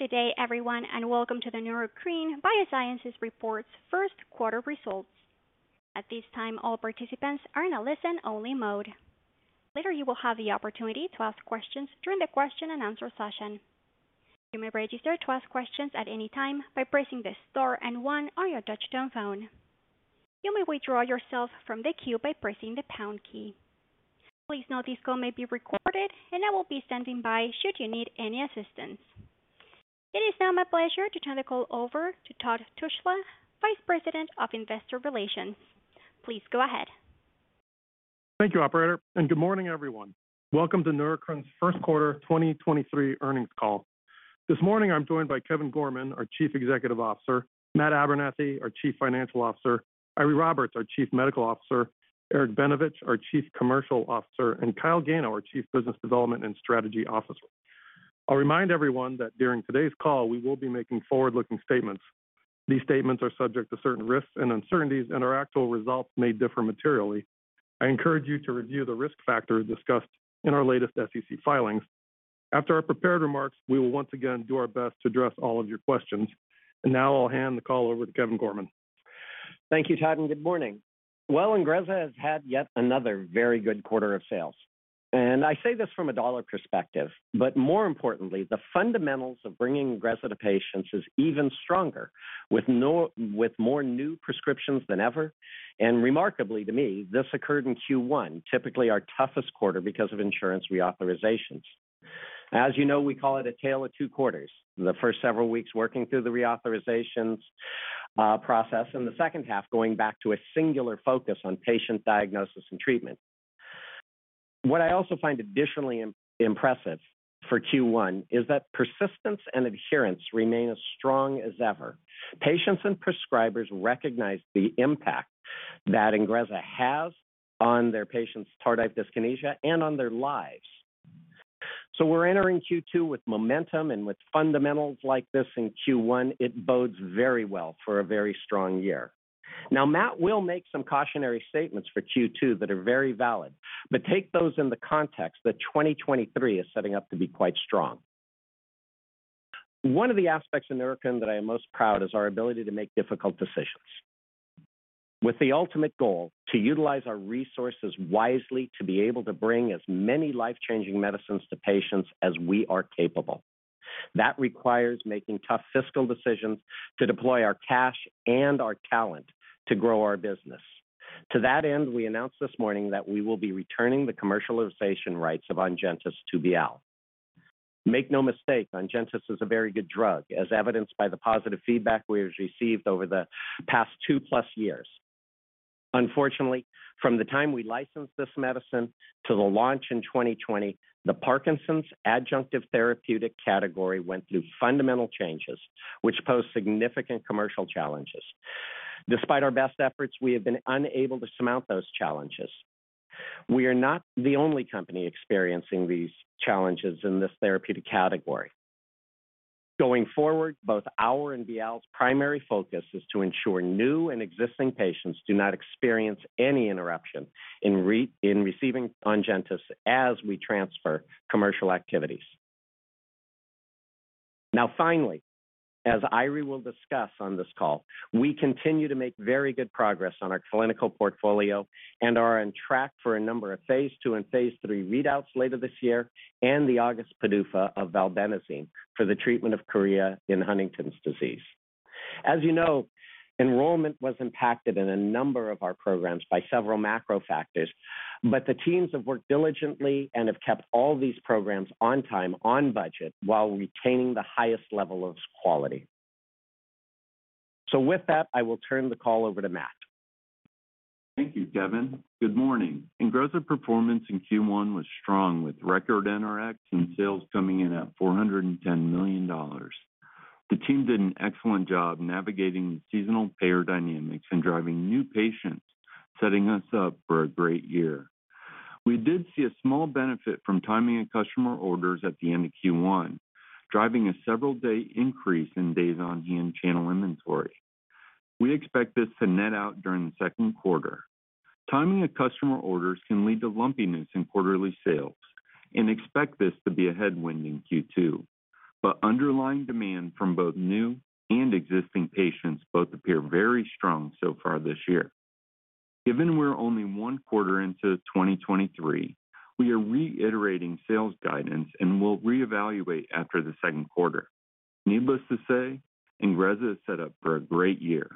Good day everyone, welcome to the Neurocrine Biosciences reports first quarter results. At this time, all participants are in a listen-only mode. Later you will have the opportunity to ask questions during the question and answer session. You may register to ask questions at any time by pressing the star one on your touch-tone phone. You may withdraw yourself from the queue by pressing the pound key. Please note this call may be recorded. I will be standing by should you need any assistance. It is now my pleasure to turn the call over to Todd Tushla, Vice President of Investor Relations. Please go ahead. Thank you operator. Good morning everyone. Welcome to Neurocrine's first quarter 2023 earnings call. This morning I'm joined by Kevin Gorman, our Chief Executive Officer, Matt Abernethy, our Chief Financial Officer, Eiry Roberts, our Chief Medical Officer, Eric Benevich, our Chief Commercial Officer, and Kyle Gano, our Chief Business Development and Strategy Officer. I'll remind everyone that during today's call we will be making forward-looking statements. These statements are subject to certain risks and uncertainties, and our actual results may differ materially. I encourage you to review the risk factors discussed in our latest SEC filings. After our prepared remarks, we will once again do our best to address all of your questions. Now I'll hand the call over to Kevin Gorman. Thank you, Todd. Good morning. Well, INGREZZA has had yet another very good quarter of sales. I say this from a dollar perspective, but more importantly, the fundamentals of bringing INGREZZA to patients is even stronger with more new prescriptions than ever. Remarkably to me, this occurred in Q1, typically our toughest quarter because of insurance reauthorizations. As you know, we call it a tale of two quarters. The first several weeks working through the reauthorizations process, and the second half going back to a singular focus on patient diagnosis and treatment. What I also find additionally impressive for Q1 is that persistence and adherence remain as strong as ever. Patients and prescribers recognize the impact that INGREZZA has on their patients' tardive dyskinesia and on their lives. We're entering Q2 with momentum and with fundamentals like this in Q1, it bodes very well for a very strong year. Matt will make some cautionary statements for Q2 that are very valid, but take those in the context that 2023 is setting up to be quite strong. One of the aspects in Neurocrine that I am most proud is our ability to make difficult decisions with the ultimate goal to utilize our resources wisely to be able to bring as many life-changing medicines to patients as we are capable. That requires making tough fiscal decisions to deploy our cash and our talent to grow our business. We announced this morning that we will be returning the commercialization rights of ONGENTYS to BIAL. Make no mistake, ONGENTYS is a very good drug, as evidenced by the positive feedback we have received over the past two-plus years. Unfortunately, from the time we licensed this medicine to the launch in 2020, the Parkinson's adjunctive therapeutic category went through fundamental changes which posed significant commercial challenges. Despite our best efforts, we have been unable to surmount those challenges. We are not the only company experiencing these challenges in this therapeutic category. Going forward, both our and BIAL's primary focus is to ensure new and existing patients do not experience any interruption in receiving ONGENTYS as we transfer commercial activities. Now finally, as Eiry will discuss on this call, we continue to make very good progress on our clinical portfolio and are on track for a number of phase II and phase III readouts later this year and the August PDUFA of valbenazine for the treatment of chorea in Huntington's disease. As you know, enrollment was impacted in a number of our programs by several macro factors, but the teams have worked diligently and have kept all these programs on time, on budget while retaining the highest level of quality. With that, I will turn the call over to Matt. Thank you, Kevin. Good morning. INGREZZA performance in Q1 was strong with record NRx and sales coming in at $410 million. The team did an excellent job navigating the seasonal payer dynamics and driving new patients, setting us up for a great year. We did see a small benefit from timing of customer orders at the end of Q1, driving a several-day increase in days on hand channel inventory. We expect this to net out during the second quarter. Timing of customer orders can lead to lumpiness in quarterly sales and expect this to be a headwind in Q2. Underlying demand from both new and existing patients both appear very strong so far this year. Given we're only one quarter into 2023, we are reiterating sales guidance and will reevaluate after the second quarter. Needless to say, INGREZZA is set up for a great year.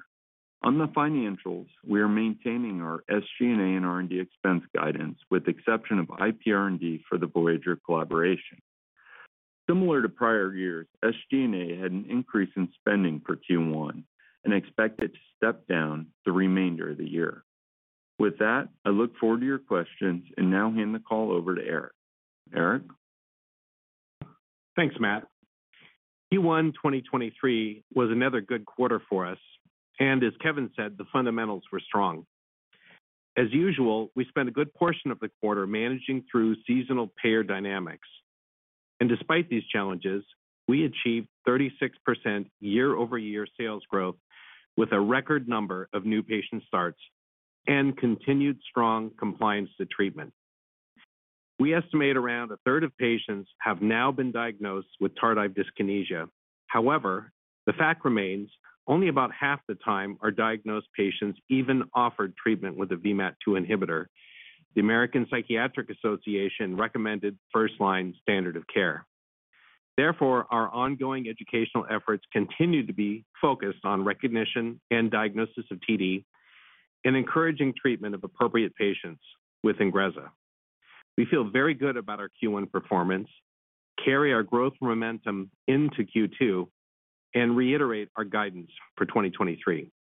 On the financials, we are maintaining our SG&A and R&D expense guidance with exception of IPR&D for the Voyager collaboration. Similar to prior years, SG&A had an increase in spending for Q1 and expect it to step down the remainder of the year. With that, I look forward to your questions and now hand the call over to Eric. Eric? Thanks, Matt. Q1 2023 was another good quarter for us, as Kevin said, the fundamentals were strong. As usual, we spent a good portion of the quarter managing through seasonal payer dynamics. Despite these challenges, we achieved 36% year-over-year sales growth with a record number of new patient starts and continued strong compliance to treatment. We estimate around a third of patients have now been diagnosed with tardive dyskinesia. However, the fact remains only about half the time are diagnosed patients even offered treatment with a VMAT2 inhibitor. The American Psychiatric Association recommended first-line standard of care. Therefore, our ongoing educational efforts continue to be focused on recognition and diagnosis of TD and encouraging treatment of appropriate patients with INGREZZA. We feel very good about our Q1 performance, carry our growth momentum into Q2, and reiterate our guidance for 2023.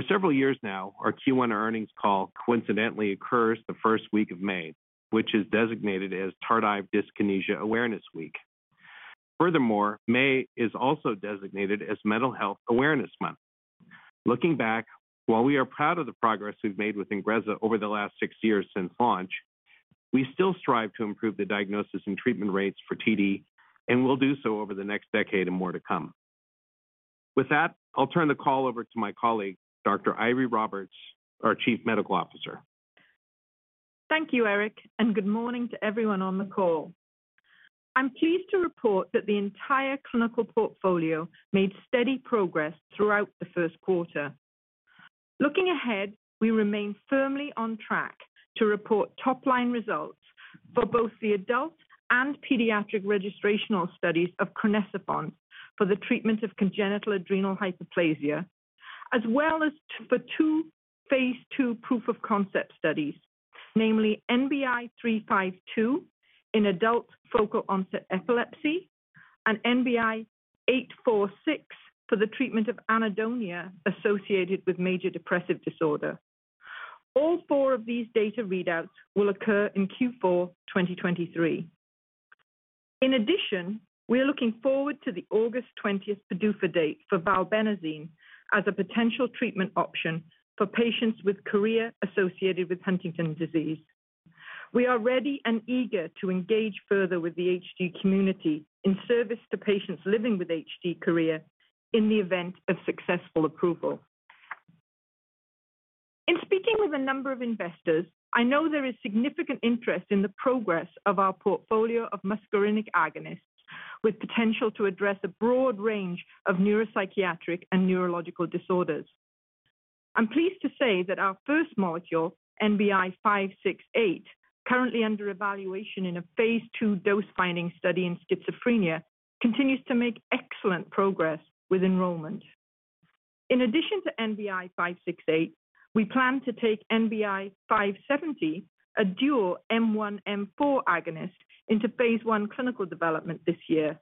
For several years now, our Q1 earnings call coincidentally occurs the 1st week of May, which is designated as Tardive Dyskinesia Awareness Week. Furthermore, May is also designated as Mental Health Awareness Month. Looking back, while we are proud of the progress we've made with INGREZZA over the last six years since launch, we still strive to improve the diagnosis and treatment rates for TD, and we'll do so over the next decade and more to come. With that, I'll turn the call over to my colleague, Dr. Eiry Roberts, our Chief Medical Officer. Thank you, Eric, and good morning to everyone on the call. I'm pleased to report that the entire clinical portfolio made steady progress throughout the first quarter. Looking ahead, we remain firmly on track to report top-line results for both the adult and pediatric registrational studies of crinecerfont for the treatment of congenital adrenal hyperplasia, as well as two phase II proof of concept studies, namely NBI 352 in adult focal onset epilepsy and NBI 846 for the treatment of anhedonia associated with major depressive disorder. All four of these data readouts will occur in Q4 2023. In addition, we are looking forward to the August 20th PDUFA date for valbenazine as a potential treatment option for patients with chorea associated with Huntington's disease. We are ready and eager to engage further with the HD community in service to patients living with HD chorea in the event of successful approval. In speaking with a number of investors, I know there is significant interest in the progress of our portfolio of muscarinic agonists with potential to address a broad range of neuropsychiatric and neurological disorders. I'm pleased to say that our first molecule, NBI-568, currently under evaluation in a phase II dose-finding study in schizophrenia, continues to make excellent progress with enrollment. In addition to NBI-568, we plan to take NBI-570, a dual M1/M4 agonist, into phase I clinical development this year,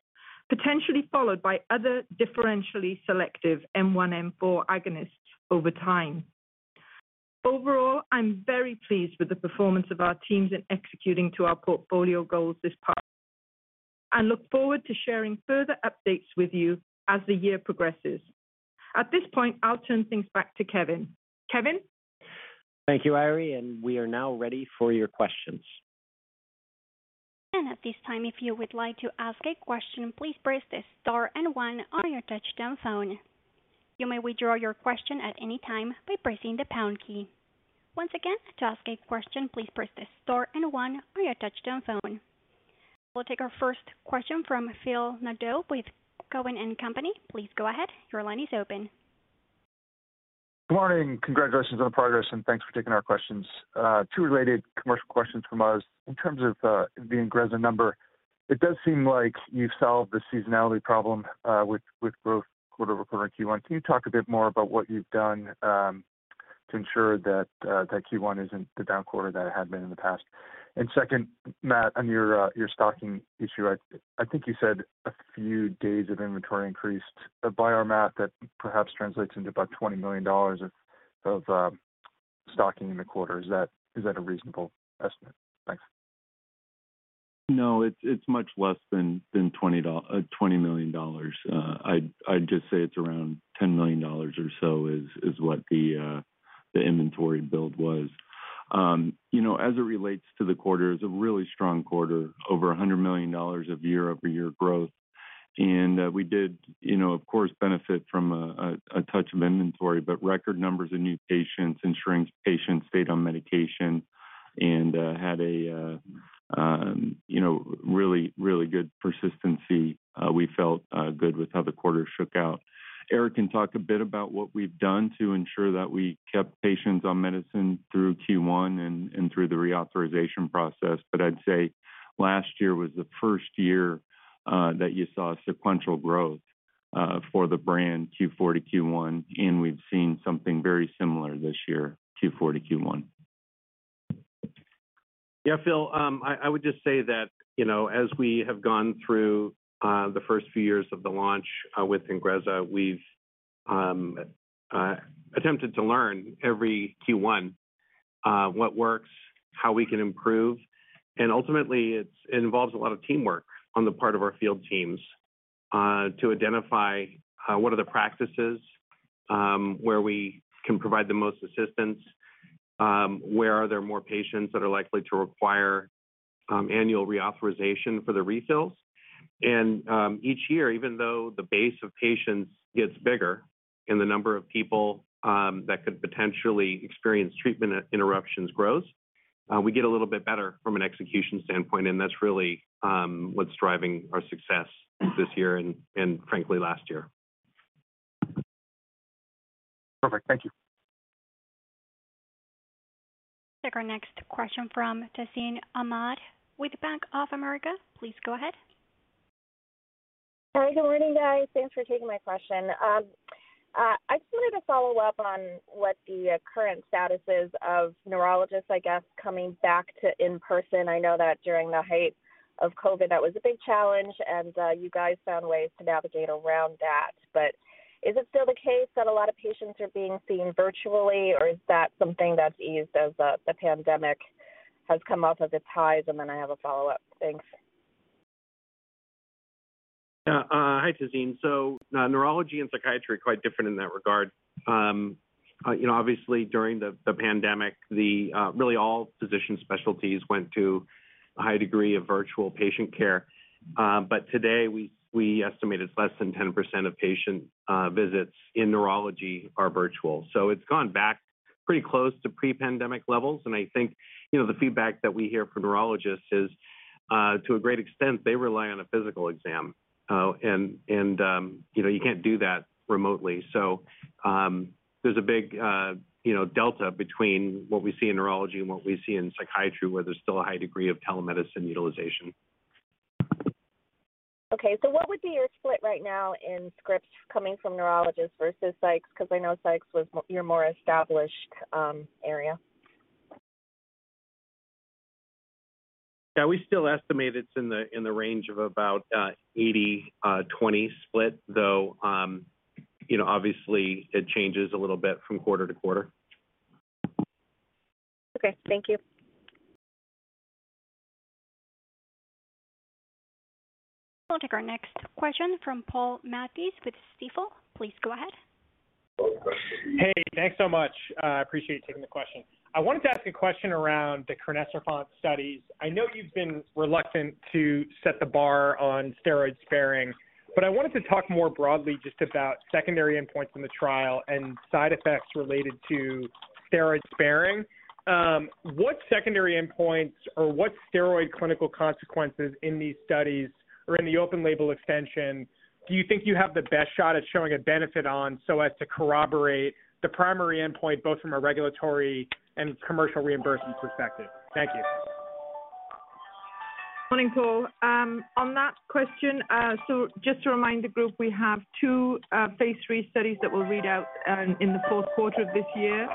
potentially followed by other differentially selective M1/M4 agonists over time. Overall, I'm very pleased with the performance of our teams in executing to our portfolio goals this past. Look forward to sharing further updates with you as the year progresses. At this point, I'll turn things back to Kevin. Kevin? Thank you, Eiry, and we are now ready for your questions. At this time, if you would like to ask a question, please press star and one on your touch-tone phone. You may withdraw your question at any time by pressing the pound key. Once again, to ask a question, please press star and one on your touch-tone phone. We'll take our first question from Phil Nadeau with Cowen & Company. Please go ahead. Your line is open. Good morning. Congratulations on the progress, and thanks for taking our questions. Two related commercial questions from us. In terms of the INGREZZA number, it does seem like you solved the seasonality problem with growth quarter-over-quarter in Q1. Can you talk a bit more about what you've done to ensure that Q1 isn't the down quarter that it had been in the past? Second, Matt, on your stocking issue, I think you said a few days of inventory increased. By our math, that perhaps translates into about $20 million of stocking in the quarter. Is that a reasonable estimate? Thanks. No, it's much less than $20 million. I'd just say it's around $10 million or so is what the inventory build was. You know, as it relates to the quarter, it's a really strong quarter. Over $100 million of year-over-year growth. We did, you know, of course benefit from a touch of inventory, but record numbers of new patients, ensuring patients stayed on medication and had really good persistency. We felt good with how the quarter shook out. Eric can talk a bit about what we've done to ensure that we kept patients on medicine through Q1 and through the reauthorization process. I'd say last year was the first year, that you saw sequential growth, for the brand Q4 to Q1. We've seen something very similar this year, Q4 to Q1. Yeah. Phil, I would just say that, you know, as we have gone through, the first few years of the launch, with INGREZZA, we've attempted to learn every Q1, what works, how we can improve, and ultimately it involves a lot of teamwork on the part of our field teams, to identify what are the practices, where we can provide the most assistance, where are there more patients that are likely to require annual reauthorization for the refills. Each year, even though the base of patients gets bigger and the number of people that could potentially experience treatment interruptions grows, we get a little bit better from an execution standpoint, and that's really what's driving our success this year and frankly, last year. Perfect. Thank you. Take our next question from Tazeen Ahmad with Bank of America. Please go ahead. Hi. Good morning, guys. Thanks for taking my question. I just wanted to follow up on what the current status is of neurologists, I guess, coming back to in-person. I know that during the height of COVID, that was a big challenge, and you guys found ways to navigate around that. Is it still the case that a lot of patients are being seen virtually, or is that something that's eased as the pandemic has come off of its highs? I have a follow-up. Thanks. Hi, Tazeen. Neurology and psychiatry are quite different in that regard. You know, obviously during the pandemic, really all physician specialties went to a high degree of virtual patient care. But today we estimate it's less than 10% of patient visits in neurology are virtual. It's gone back pretty close to pre-pandemic levels. I think, you know, the feedback that we hear from neurologists is, to a great extent, they rely on a physical exam. And, you know, you can't do that remotely. There's a big, you know, delta between what we see in neurology and what we see in psychiatry, where there's still a high degree of telemedicine utilization. Okay. What would be your split right now in scripts coming from neurologists versus psychs? 'Cause I know psychs was your more established area. We still estimate it's in the, in the range of about 80/20 split, though, you know, obviously it changes a little bit from quarter-to-quarter. Okay. Thank you. We'll take our next question from Paul Matteis with Stifel. Please go ahead. Hey, thanks so much. appreciate you taking the question. I wanted to ask a question around the crinecerfont studies. I know you've been reluctant to set the bar on steroid sparing. I wanted to talk more broadly just about secondary endpoints in the trial and side effects related to steroid sparing. What secondary endpoints or what steroid clinical consequences in these studies or in the open label extension do you think you have the best shot at showing a benefit on so as to corroborate the primary endpoint, both from a regulatory and commercial reimbursement perspective? Thank you. Morning, Paul. On that question, just to remind the group, we have two phase III studies that we'll read out in the fourth quarter of this year,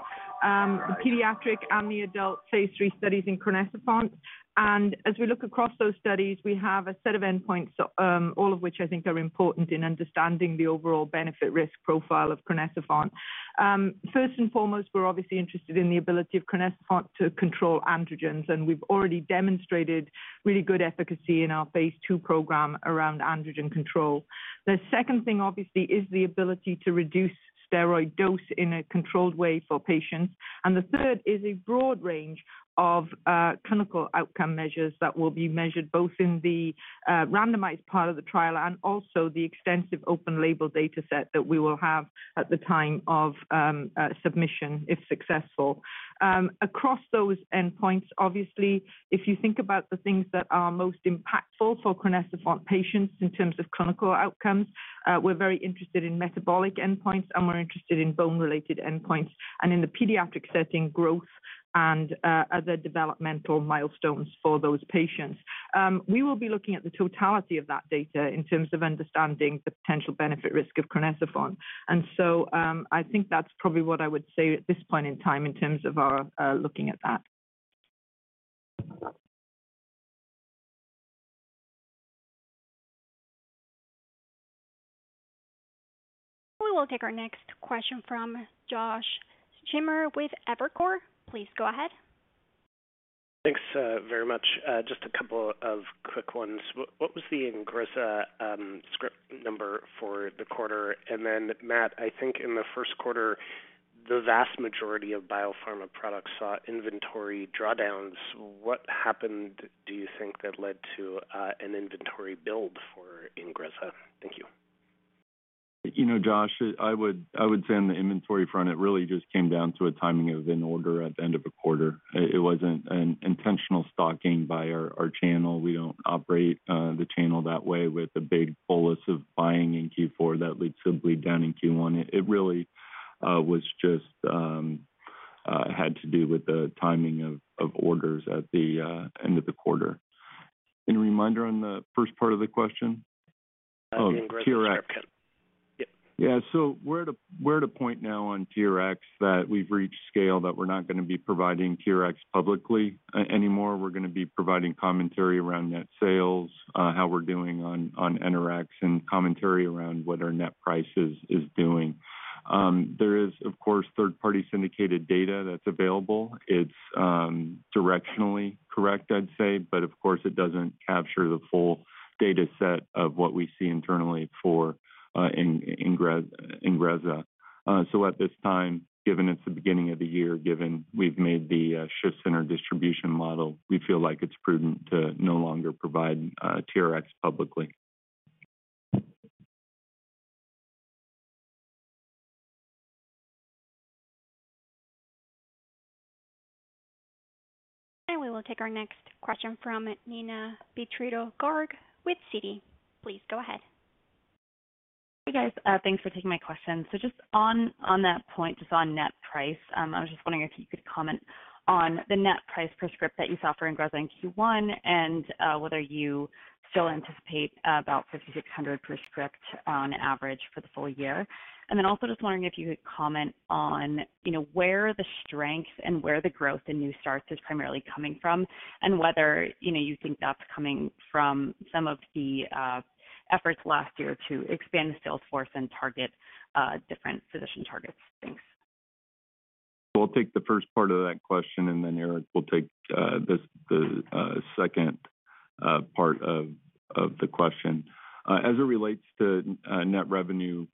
pediatric and the adult phase III studies in crinecerfont. As we look across those studies, we have a set of endpoints, all of which I think are important in understanding the overall benefit risk profile of crinecerfont. First and foremost, we're obviously interested in the ability of crinecerfont to control androgens, and we've already demonstrated really good efficacy in our phase II program around androgen control. The second thing, obviously, is the ability to reduce steroid dose in a controlled way for patients. The third is a broad range of clinical outcome measures that will be measured both in the randomized part of the trial and also the extensive open label data set that we will have at the time of submission, if successful. Across those endpoints, obviously, if you think about the things that are most impactful for crinecerfont patients in terms of clinical outcomes, we're very interested in metabolic endpoints, and we're interested in bone-related endpoints and in the pediatric setting, growth and other developmental milestones for those patients. We will be looking at the totality of that data in terms of understanding the potential benefit risk of crinecerfont. I think that's probably what I would say at this point in time in terms of our looking at that. We will take our next question from Josh Schimmer with Evercore. Please go ahead. Thanks, very much. Just a couple of quick ones. What was the INGREZZA script number for the quarter? Matt, I think in the first quarter, the vast majority of biopharma products saw inventory drawdowns. What happened, do you think, that led to an inventory build for INGREZZA? Thank you. You know, Josh, I would say on the inventory front, it really just came down to a timing of an order at the end of a quarter. It, it wasn't an intentional stock gain by our channel. We don't operate the channel that way with a big bolus of buying in Q4 that leads simply down in Q1. It, it really was just had to do with the timing of orders at the end of the quarter. Any reminder on the first part of the question? INGREZZA script. Oh, QRex. Yep. Yeah. We're at a point now on QRex that we've reached scale, that we're not gonna be providing QRex publicly anymore. We're gonna be providing commentary around net sales, how we're doing on NRx, and commentary around what our net prices is doing. There is, of course, third-party syndicated data that's available. It's, directionally correct, I'd say, but of course, it doesn't capture the full data set of what we see internally for INGREZZA.At this time, given it's the beginning of the year, given we've made the shift in our distribution model, we feel like it's prudent to no longer provide TRx publicly. We will take our next question from Neena Bitritto-Garg with Citi. Please go ahead. Hey, guys. Thanks for taking my question. Just on that point, just on net price, I was just wondering if you could comment on the net price per script that you saw for INGREZZA in Q1 and whether you still anticipate about $5,600 per script on average for the full year. Then also just wondering if you could comment on, you know, where the strength and where the growth in new starts is primarily coming from and whether, you know, you think that's coming from some of the efforts last year to expand the sales force and target different physician targets. Thanks. I'll take the first part of that question, and then Eric will take the second part of the question. As it relates to net revenue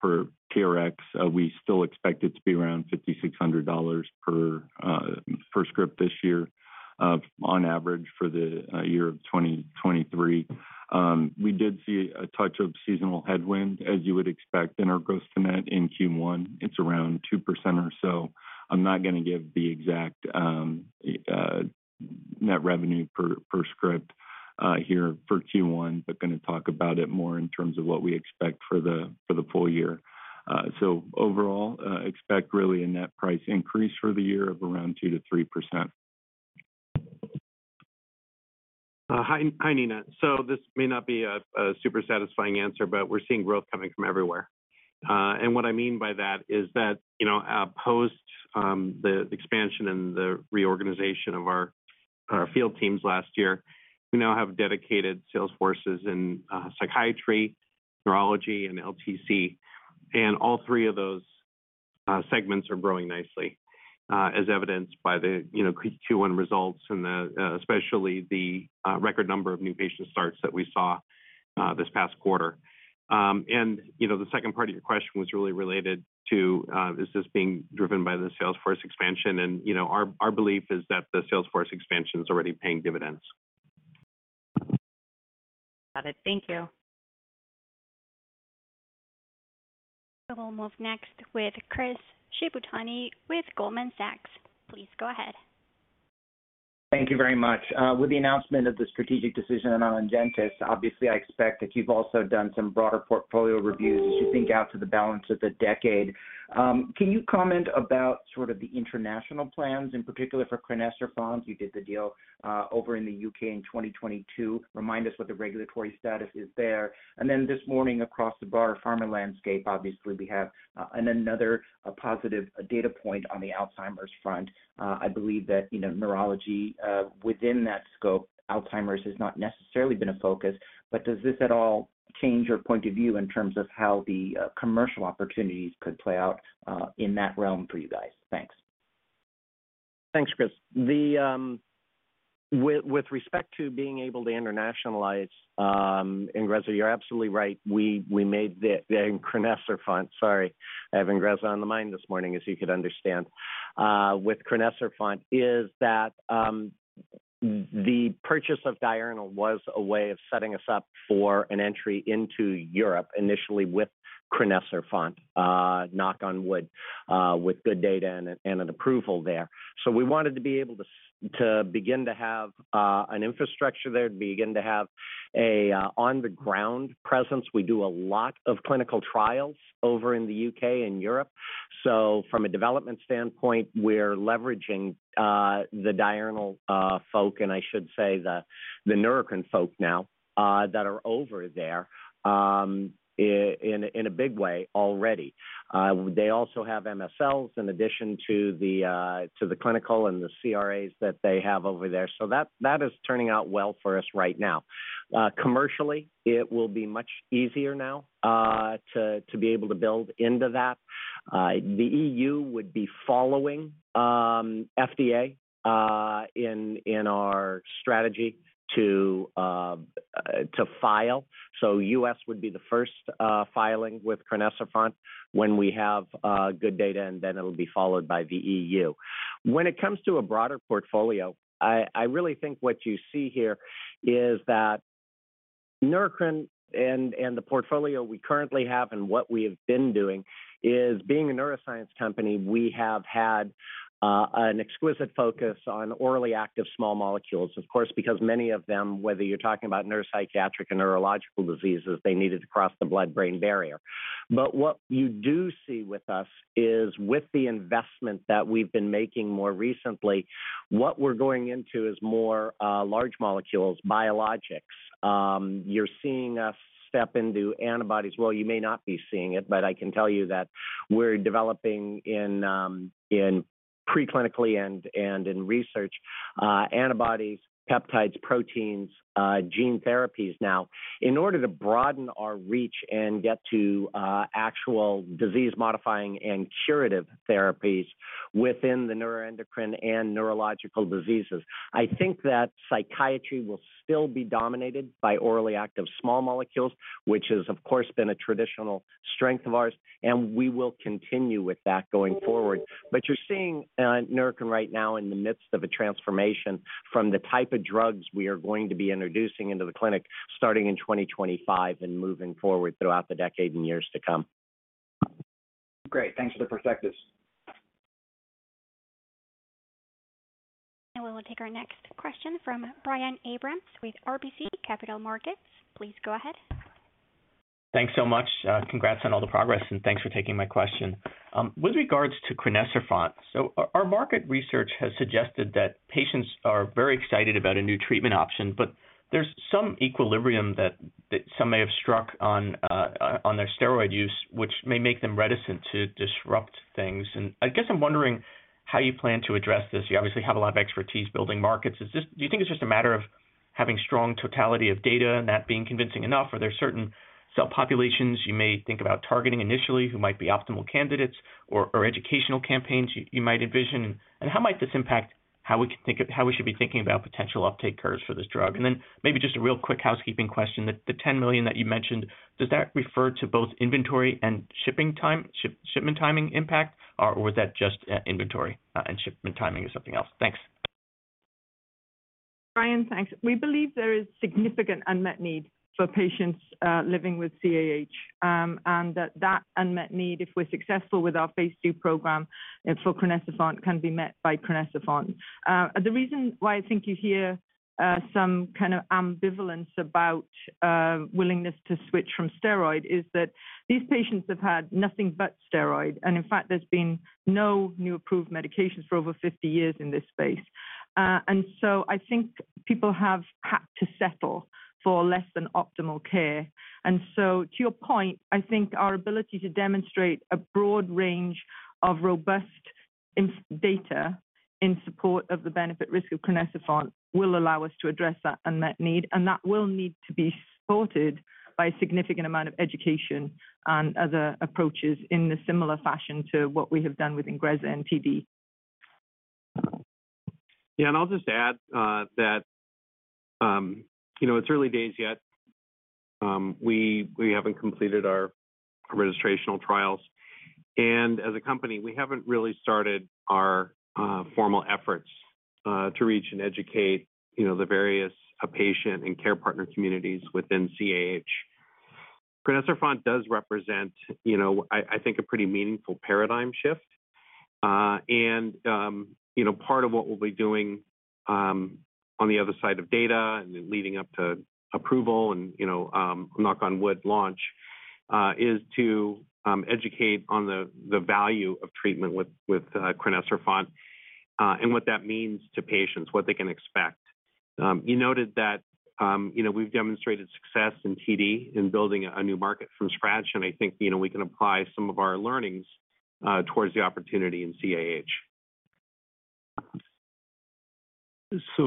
per TRx, we still expect it to be around $5,600 per script this year on average for the year of 2023. We did see a touch of seasonal headwind, as you would expect, in our gross net in Q1. It's around 2% or so. I'm not gonna give the exact net revenue per script here for Q1, but gonna talk about it more in terms of what we expect for the full year. Overall, expect really a net price increase for the year of around 2%-3%. Hi, Neena. This may not be a super satisfying answer, but we're seeing growth coming from everywhere. What I mean by that is that, you know, post the expansion and the reorganization of our field teams last year, we now have dedicated sales forces in psychiatry, neurology, and LTC. All three of those segments are growing nicely, as evidenced by the, you know, Q1 results and the, especially the record number of new patient starts that we saw this past quarter. You know, the second part of your question was really related to, is this being driven by the sales force expansion? You know, our belief is that the sales force expansion is already paying dividends. Got it. Thank you. We'll move next with Chris Shibutani with Goldman Sachs. Please go ahead. Thank you very much. With the announcement of the strategic decision on ONGENTYS, obviously, I expect that you've also done some broader portfolio reviews as you think out to the balance of the decade. Can you comment about sort of the international plans, in particular for crinecerfont? You did the deal over in the UK in 2022. Remind us what the regulatory status is there. This morning across the broader pharma landscape, obviously, we have another positive data point on the Alzheimer's front. I believe that, you know, neurology, within that scope, Alzheimer's has not necessarily been a focus, but does this at all change your point of view in terms of how the commercial opportunities could play out in that realm for you guys? Thanks. Thanks, Chris. With respect to being able to internationalize INGREZZA, you're absolutely right. We made the crinecerfont. Sorry. I have INGREZZA on the mind this morning, as you could understand. With crinecerfont is that the purchase of Diurnal was a way of setting us up for an entry into Europe, initially with crinecerfont, knock on wood, with good data and an approval there. We wanted to be able to begin to have an infrastructure there, to begin to have a on-the-ground presence. We do a lot of clinical trials over in the U.K. and Europe. From a development standpoint, we're leveraging the Diurnal folk, and I should say the Neurocrine folk now that are over there in a big way already. They also have MSLs in addition to the clinical and the CRAs that they have over there. That is turning out well for us right now. Commercially, it will be much easier now to be able to build into that. The EU would be following FDA in our strategy to file. US would be the first filing with crinecerfont when we have good data, and then it'll be followed by the EU. When it comes to a broader portfolio, I really think what you see here is that Neurocrine and the portfolio we currently have and what we have been doing is being a neuroscience company, we have had an exquisite focus on orally active small molecules. Of course, because many of them, whether you're talking about neuropsychiatric and neurological diseases, they needed to cross the blood-brain barrier. What you do see with us is with the investment that we've been making more recently, what we're going into is more, large molecules, biologics. You're seeing us step into antibodies. Well, you may not be seeing it, but I can tell you that we're developing in preclinically and in research, antibodies, peptides, proteins, gene therapies now in order to broaden our reach and get to actual disease-modifying and curative therapies within the neuroendocrine and neurological diseases. I think that psychiatry will still be dominated by orally active small molecules, which has, of course, been a traditional strength of ours, and we will continue with that going forward. You're seeing Neurocrine right now in the midst of a transformation from the type of drugs we are going to be introducing into the clinic starting in 2025 and moving forward throughout the decade and years to come. Great. Thanks for the perspective. We'll take our next question from Brian Abrahams with RBC Capital Markets. Please go ahead. Thanks so much. Congrats on all the progress, and thanks for taking my question. With regards to crinecerfont, so our market research has suggested that patients are very excited about a new treatment option, but there's some equilibrium that some may have struck on their steroid use, which may make them reticent to disrupt things. I guess I'm wondering how you plan to address this. You obviously have a lot of expertise building markets. Do you think it's just a matter of having strong totality of data and that being convincing enough? Are there certain subpopulations you may think about targeting initially who might be optimal candidates or educational campaigns you might envision? How might this impact how we should be thinking about potential uptake curves for this drug? Maybe just a real quick housekeeping question. The $10 million that you mentioned, does that refer to both inventory and shipping time, shipment timing impact, or was that just inventory and shipment timing is something else? Thanks. Brian, thanks. We believe there is significant unmet need for patients living with CAH, and that that unmet need, if we're successful with our phase II program for crinecerfont, can be met by crinecerfont. The reason why I think you hear some kind of ambivalence about willingness to switch from steroid is that these patients have had nothing but steroid. In fact, there's been no new approved medications for over 50 years in this space. I think people have had to settle for less than optimal care. To your point, I think our ability to demonstrate a broad range of robust data in support of the benefit risk of crinecerfont will allow us to address that unmet need, and that will need to be supported by a significant amount of education and other approaches in a similar fashion to what we have done with INGREZZA and TD. Yeah. I'll just add that, you know, it's early days yet. We haven't completed our registrational trials. As a company, we haven't really started our formal efforts to reach and educate, you know, the various patient and care partner communities within CAH. Crinecerfont does represent, you know, I think a pretty meaningful paradigm shift. You know, part of what we'll be doing on the other side of data and then leading up to approval and, you know, knock on wood, launch, is to educate on the value of treatment with crinecerfont, and what that means to patients, what they can expect. You noted that, you know, we've demonstrated success in TD in building a new market from scratch, and I think, you know, we can apply some of our learnings towards the opportunity in CAH.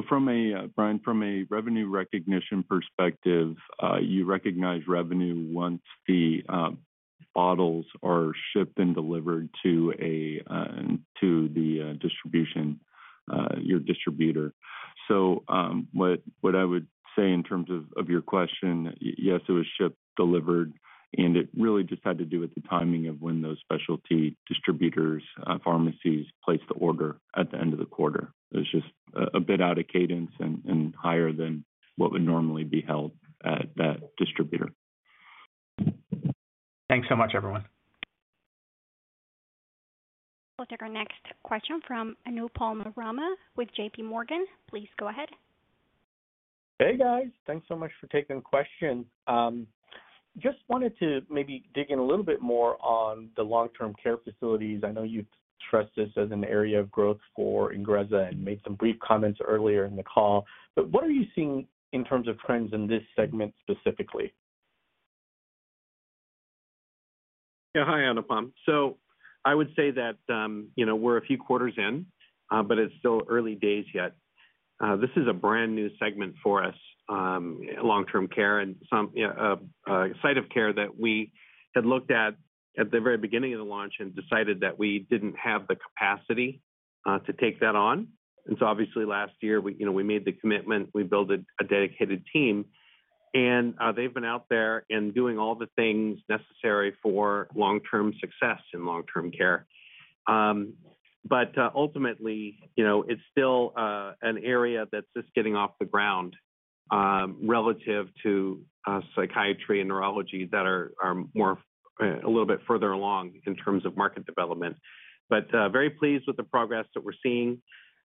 From a, Brian, from a revenue recognition perspective, you recognize revenue once the bottles are shipped and delivered to a to the distribution, your distributor. What I would say in terms of your question, yes, it was shipped, delivered, and it really just had to do with the timing of when those specialty distributors, pharmacies placed the order at the end of the quarter. It was just a bit out of cadence and higher than what would normally be held at that distributor. Thanks so much, everyone. We'll take our next question from Anupam Rama with JPMorgan. Please go ahead. Hey, guys. Thanks so much for taking the question. Just wanted to maybe dig in a little bit more on the long-term care facilities. I know you've stressed this as an area of growth for INGREZZA and made some brief comments earlier in the call, what are you seeing in terms of trends in this segment specifically? Yeah. Hi, Anupam. I would say that, you know, we're a few quarters in, but it's still early days yet. This is a brand new segment for us, long-term care and some site of care that we had looked at at the very beginning of the launch and decided that we didn't have the capacity to take that on. Obviously last year we, you know, we made the commitment, we built a dedicated team, and they've been out there and doing all the things necessary for long-term success in long-term care. Ultimately, you know, it's still an area that's just getting off the ground, relative to psychiatry and neurology that are more a little bit further along in terms of market development. Very pleased with the progress that we're seeing,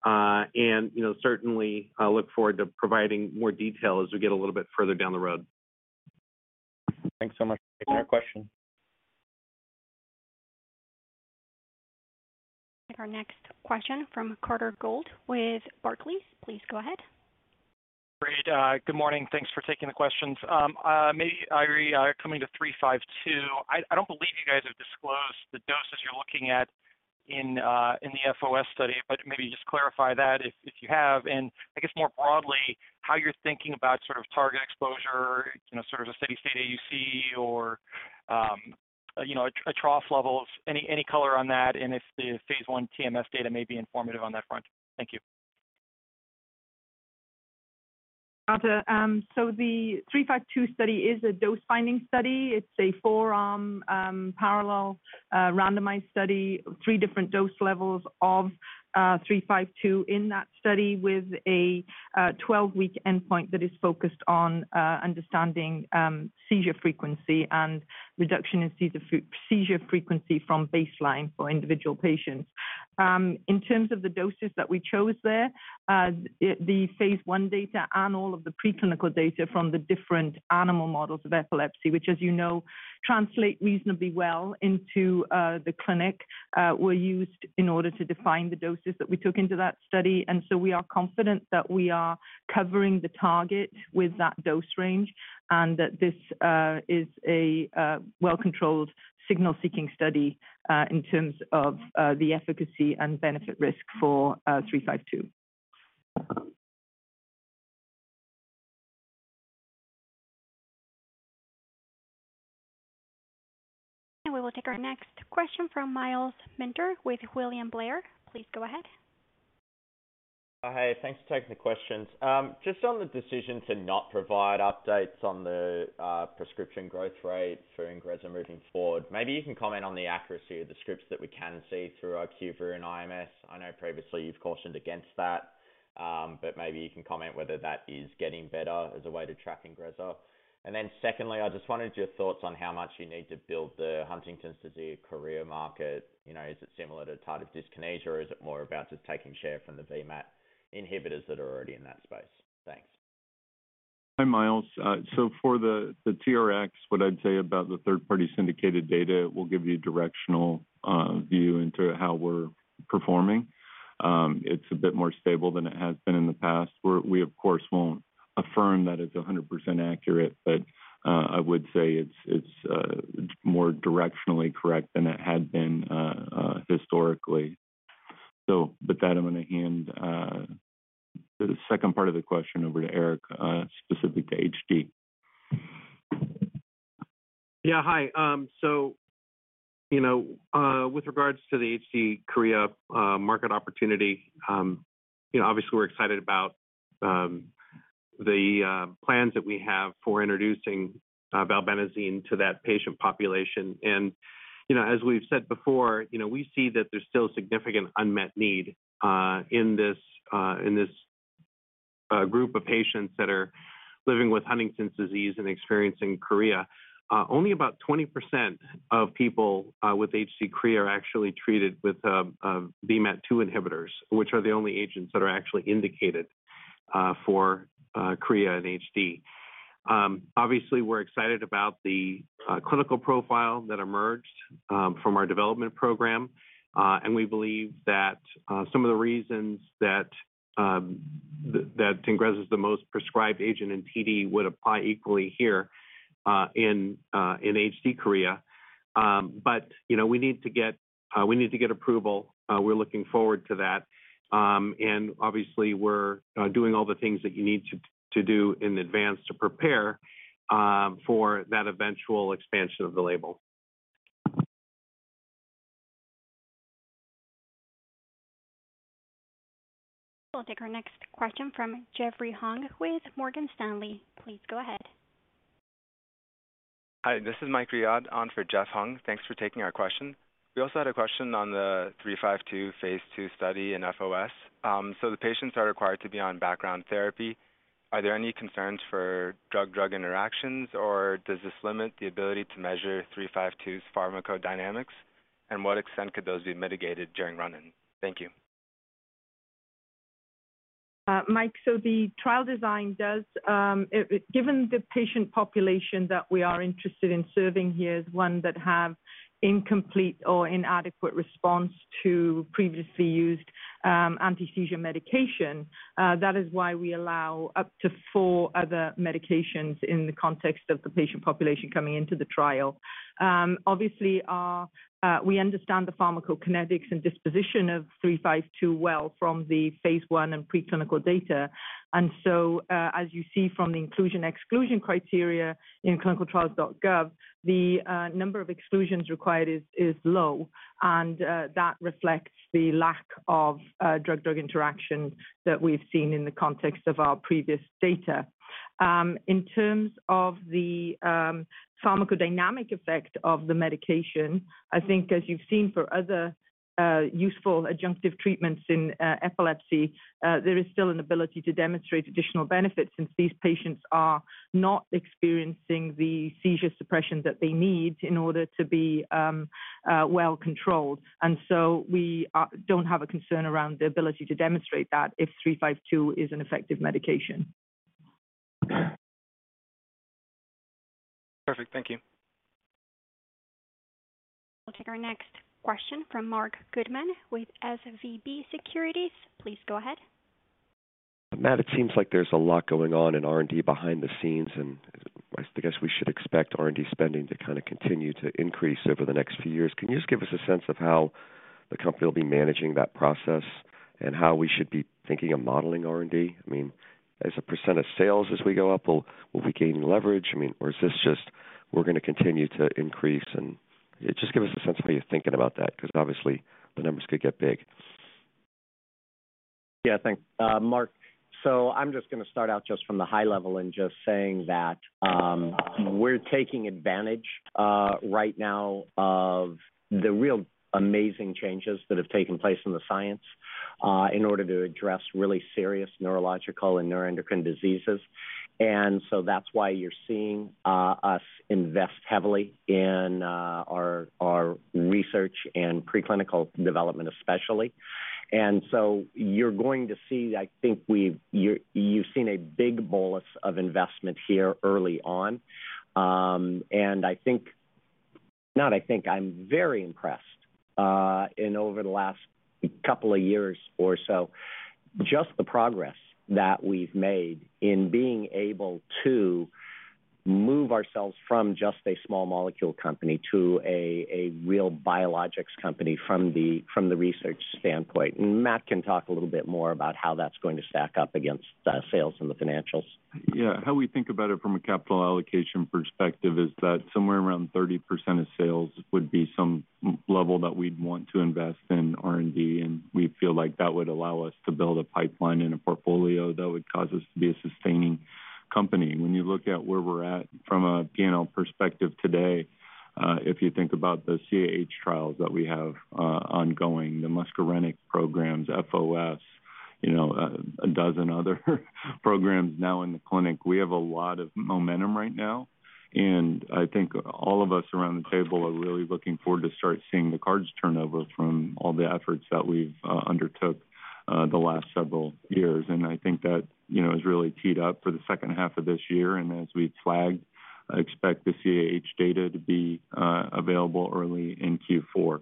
and, you know, certainly, look forward to providing more detail as we get a little bit further down the road. Thanks so much for taking our question. Take our next question from Carter Gould with Barclays. Please go ahead. Great. Good morning. Thanks for taking the questions. Maybe, Eiry, coming to NBI-352, I don't believe you guys have disclosed the doses you're looking at in the FOS study, but maybe just clarify that if you have. I guess more broadly, how you're thinking about sort of target exposure, you know, sort of a steady-state AUC or, you know, a trough level. Any color on that and if the phase I TMS data may be informative on that front. Thank you. Got it. The 352 study is a dose-finding study. It's a 4-arm parallel randomized study, three different dose levels of 352 in that study with a 12-week endpoint that is focused on understanding seizure frequency and reduction in seizure frequency from baseline for individual patients. In terms of the doses that we chose there, the phase I data and all of the preclinical data from the different animal models of epilepsy, which as you know, translate reasonably well into the clinic, were used in order to define the doses that we took into that study. We are confident that we are covering the target with that dose range and that this is a well-controlled signal-seeking study, in terms of the efficacy and benefit risk for 352. We will take our next question from Myles Minter with William Blair. Please go ahead. Hi, thanks for taking the questions. Just on the decision to not provide updates on the prescription growth rate for INGREZZA moving forward, maybe you can comment on the accuracy of the scripts that we can see through IQVIA and IMS. I know previously you've cautioned against that, but maybe you can comment whether that is getting better as a way to track INGREZZA. Secondly, I just wanted your thoughts on how much you need to build the Huntington's disease career market. You know, is it similar to tardive dyskinesia, or is it more about just taking share from the VMAT inhibitors that are already in that space? Thanks. Hi, Myles. For the TRx, what I'd say about the third-party syndicated data will give you directional view into how we're performing. It's a bit more stable than it has been in the past. We of course, won't affirm that it's 100% accurate, but I would say it's more directionally correct than it had been historically. With that, I'm gonna hand the second part of the question over to Eric specific to HD. Yeah. Hi. So, you know, with regards to the HD chorea market opportunity, you know, obviously we're excited about the plans that we have for introducing valbenazine to that patient population. You know, as we've said before, you know, we see that there's still significant unmet need in this in this group of patients that are living with Huntington's disease and experiencing chorea. Only about 20% of people with HD chorea are actually treated with VMAT2 inhibitors, which are the only agents that are actually indicated for chorea and HD. Obviously, we're excited about the clinical profile that emerged from our development program. We believe that, some of the reasons that INGREZZA is the most prescribed agent in TD would apply equally here, in HD chorea. You know, we need to get, we need to get approval. We're looking forward to that. Obviously we're doing all the things that you need to do in advance to prepare for that eventual expansion of the label. We'll take our next question from Jeffrey Hung with Morgan Stanley. Please go ahead. Hi, this is Mike Riad on for Jeff Hung. Thanks for taking our question. We also had a question on the three-five-two phase II study in FOS. The patients are required to be on background therapy. Are there any concerns for drug-drug interactions, or does this limit the ability to measure three-five-two's pharmacodynamics? What extent could those be mitigated during run-in? Thank you. Mike. The trial design does, given the patient population that we are interested in serving here is one that have incomplete or inadequate response to previously used, anti-seizure medication, that is why we allow up to four other medications in the context of the patient population coming into the trial. Obviously, we understand the pharmacokinetics and disposition of NBI-352 well from the phase I and preclinical data. As you see from the inclusion/exclusion criteria in ClinicalTrials.gov, the number of exclusions required is low, and that reflects the lack of drug-drug interaction that we've seen in the context of our previous data. In terms of the pharmacodynamic effect of the medication, I think as you've seen for other useful adjunctive treatments in epilepsy, there is still an ability to demonstrate additional benefits since these patients are not experiencing the seizure suppression that they need in order to be well controlled. We don't have a concern around the ability to demonstrate that if NBI-352 is an effective medication. Perfect. Thank you. We'll take our next question from Marc Goodman with SVB Securities. Please go ahead. Matt, it seems like there's a lot going on in R&D behind the scenes. I guess we should expect R&D spending to kinda continue to increase over the next few years. Can you just give us a sense of how the company will be managing that process and how we should be thinking of modeling R&D? As a % of sales as we go up, will we gain leverage? Is this just we're gonna continue to increase and... Give us a sense of how you're thinking about that because obviously the numbers could get big. Yeah, thanks, Marc. I'm just gonna start out just from the high level and just saying that we're taking advantage right now of the real amazing changes that have taken place in the science in order to address really serious neurological and neuroendocrine diseases. That's why you're seeing us invest heavily in our research and preclinical development especially. You're going to see, you've seen a big bolus of investment here early on. I'm very impressed in over the last couple of years or so, just the progress that we've made in being able to move ourselves from just a small molecule company to a real biologics company from the research standpoint. Matt can talk a little bit more about how that's going to stack up against sales and the financials. Yeah. How we think about it from a capital allocation perspective is that somewhere around 30% of sales would be some level that we'd want to invest in R&D. We feel like that would allow us to build a pipeline and a portfolio that would cause us to be a sustaining company. When you look at where we're at from a P&L perspective today, if you think about the CAH trials that we have ongoing, the muscarinic programs, FOS, you know, a dozen other programs now in the clinic. We have a lot of momentum right now. I think all of us around the table are really looking forward to start seeing the cards turn over from all the efforts that we've undertook the last several years. I think that, you know, is really teed up for the second half of this year. As we flagged, expect the CAH data to be available early in Q4.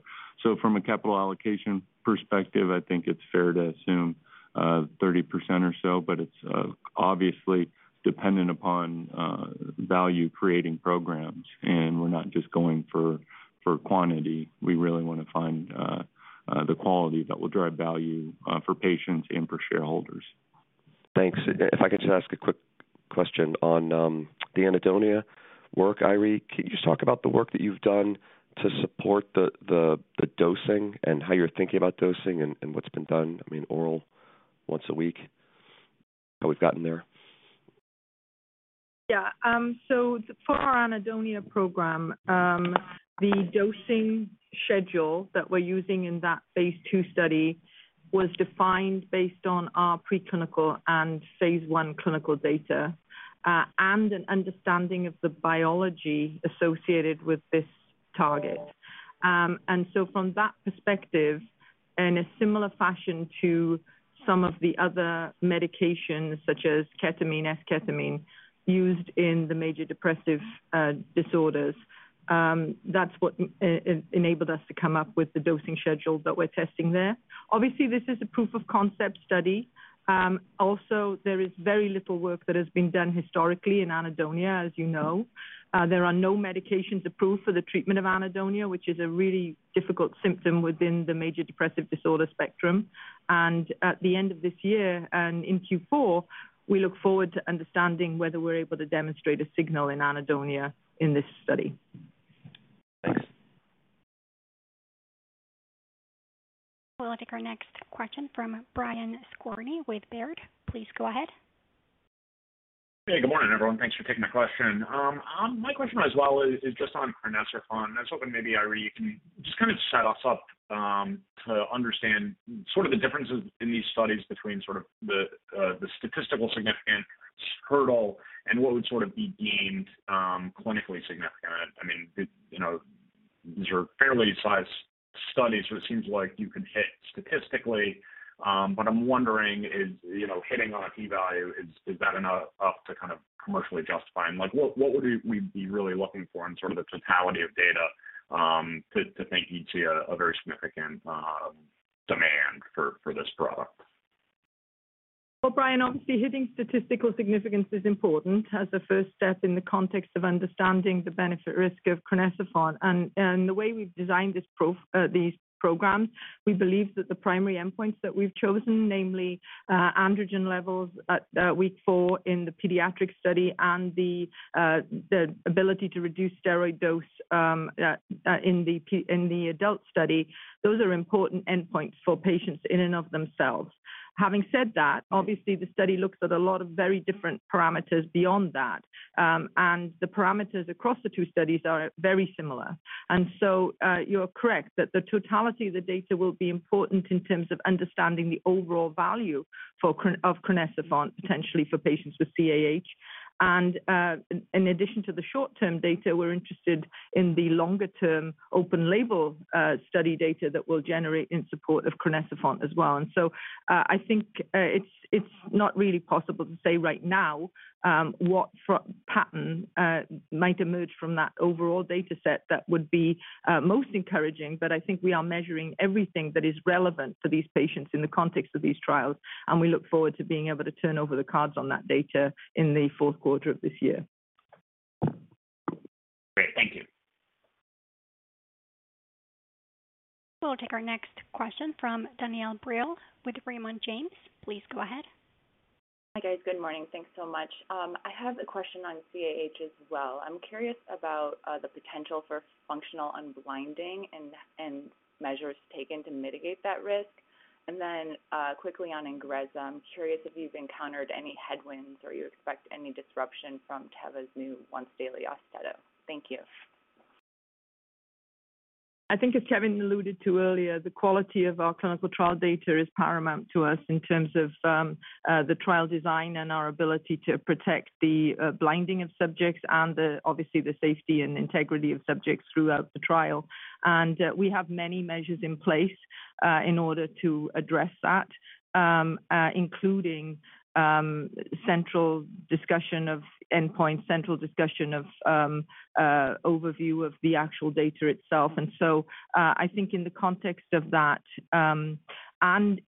From a capital allocation perspective, I think it's fair to assume 30% or so, but it's obviously dependent upon value-creating programs. We're not just going for quantity. We really wanna find the quality that will drive value for patients and for shareholders. Thanks. If I could just ask a quick question on the anhedonia work, Eiry, can you just talk about the work that you've done to support the dosing and how you're thinking about dosing and what's been done? I mean, oral once a week, how we've gotten there? For our anhedonia program, the dosing schedule that we're using in that phase II study was defined based on our preclinical and phase I clinical data and an understanding of the biology associated with this target. From that perspective, in a similar fashion to some of the other medications, such as ketamine, esketamine, used in the major depressive disorders, that's what enabled us to come up with the dosing schedule that we're testing there. Obviously, this is a proof of concept study. There is very little work that has been done historically in anhedonia, as you know. There are no medications approved for the treatment of anhedonia, which is a really difficult symptom within the major depressive disorder spectrum. At the end of this year and in Q4, we look forward to understanding whether we're able to demonstrate a signal in anhedonia in this study. Thanks. We'll take our next question from Brian Skorney with Baird. Please go ahead. Hey, good morning, everyone. Thanks for taking my question. My question as well is just on crinecerfont. I was hoping maybe, Ire, you can just kind of set us up to understand sort of the differences in these studies between sort of the statistical significance hurdle and what would sort of be deemed clinically significant. I mean, you know, these are fairly sized studies, so it seems like you could hit statistically. I'm wondering, is, you know, hitting on a T-value, is that enough to kind of commercially justify? Like, what would we be really looking for in sort of the totality of data to think you'd see a very significant demand for this product? Well, Brian, obviously hitting statistical significance is important as a first step in the context of understanding the benefit risk of crinecerfont. The way we've designed these programs, we believe that the primary endpoints that we've chosen, namely, androgen levels at week four in the pediatric study and the ability to reduce steroid dose in the adult study, those are important endpoints for patients in and of themselves. Having said that, obviously the study looks at a lot of very different parameters beyond that. The parameters across the two studies are very similar. You're correct that the totality of the data will be important in terms of understanding the overall value of crinecerfont, potentially for patients with CAH. In addition to the short-term data, we're interested in the longer-term open label study data that we'll generate in support of crinecerfont as well. I think it's not really possible to say right now what pattern might emerge from that overall data set that would be most encouraging. I think we are measuring everything that is relevant to these patients in the context of these trials, and we look forward to being able to turn over the cards on that data in the fourth quarter of this year. Great. Thank you. We'll take our next question from Danielle Brill with Raymond James. Please go ahead. Hi, guys. Good morning. Thanks so much. I have a question on CAH as well. I'm curious about the potential for functional unblinding and measures taken to mitigate that risk. Then quickly on INGREZZA, I'm curious if you've encountered any headwinds or you expect any disruption from Teva's new once-daily AUSTEDO XR. Thank you. I think as Kevin alluded to earlier, the quality of our clinical trial data is paramount to us in terms of the trial design and our ability to protect the blinding of subjects and obviously the safety and integrity of subjects throughout the trial. We have many measures in place in order to address that, including central discussion of endpoint, central discussion of overview of the actual data itself. I think in the context of that, and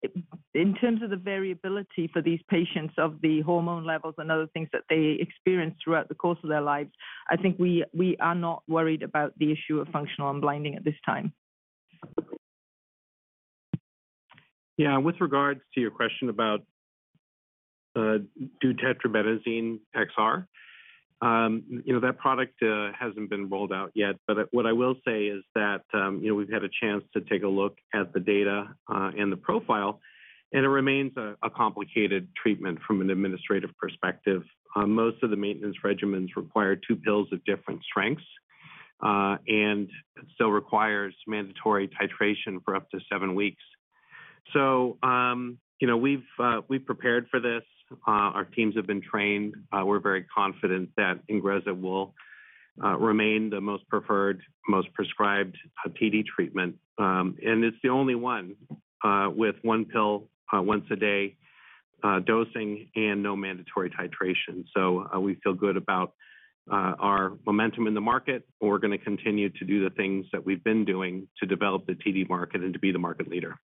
in terms of the variability for these patients of the hormone levels and other things that they experience throughout the course of their lives, I think we are not worried about the issue of functional unblinding at this time. Yeah. With regards to your question about deutetrabenazine XR, you know, that product hasn't been rolled out yet, but what I will say is that, you know, we've had a chance to take a look at the data and the profile, and it remains a complicated treatment from an administrative perspective. Most of the maintenance regimens require 2 pills of different strengths, and it still requires mandatory titration for up to 7 weeks. You know, we've prepared for this. Our teams have been trained. We're very confident that INGREZZA will remain the most preferred, most prescribed TD treatment. And it's the only one with 1 pill once a day dosing and no mandatory titration. We feel good about our momentum in the market. We're gonna continue to do the things that we've been doing to develop the TD market and to be the market leader.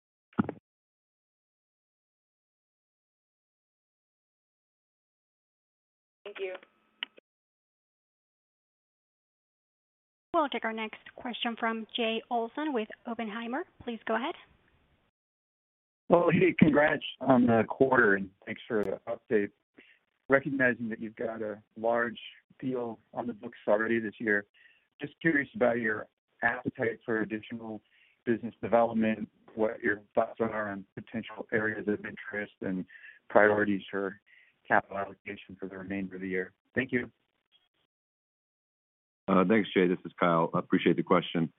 Thank you. We'll take our next question from Jay Olson with Oppenheimer. Please go ahead. Hey, congrats on the quarter, and thanks for the update. Recognizing that you've got a large deal on the books already this year, just curious about your appetite for additional business development, what your thoughts are on potential areas of interest and priorities for capital allocation for the remainder of the year. Thank you. Thanks, Jay. This is Kyle. Appreciate the question.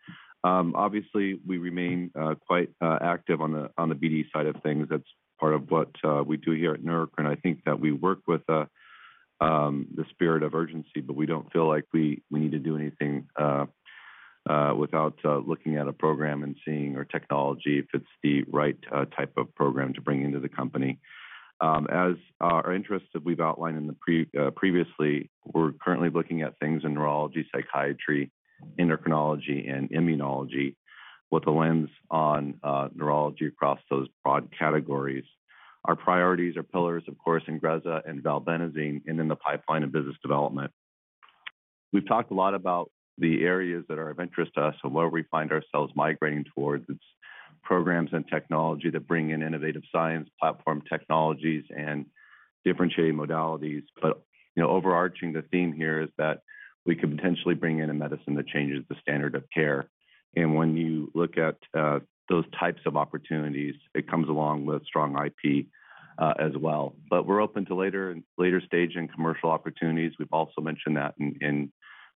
Obviously, we remain quite active on the BD side of things. That's part of what we do here at Neurocrine. I think that we work with a spirit of urgency, but we don't feel like we need to do anything without looking at a program and seeing our technology fits the right type of program to bring into the company. As our interests that we've outlined previously, we're currently looking at things in neurology, psychiatry, endocrinology, and immunology, with a lens on neurology across those broad categories. Our priorities are pillars, of course, INGREZZA and valbenazine and in the pipeline of business development. We've talked a lot about the areas that are of interest to us and where we find ourselves migrating towards. It's programs and technology that bring in innovative science, platform technologies, and differentiating modalities. You know, overarching the theme here is that we could potentially bring in a medicine that changes the standard of care. When you look at those types of opportunities, it comes along with strong IP as well. We're open to later stage in commercial opportunities. We've also mentioned that in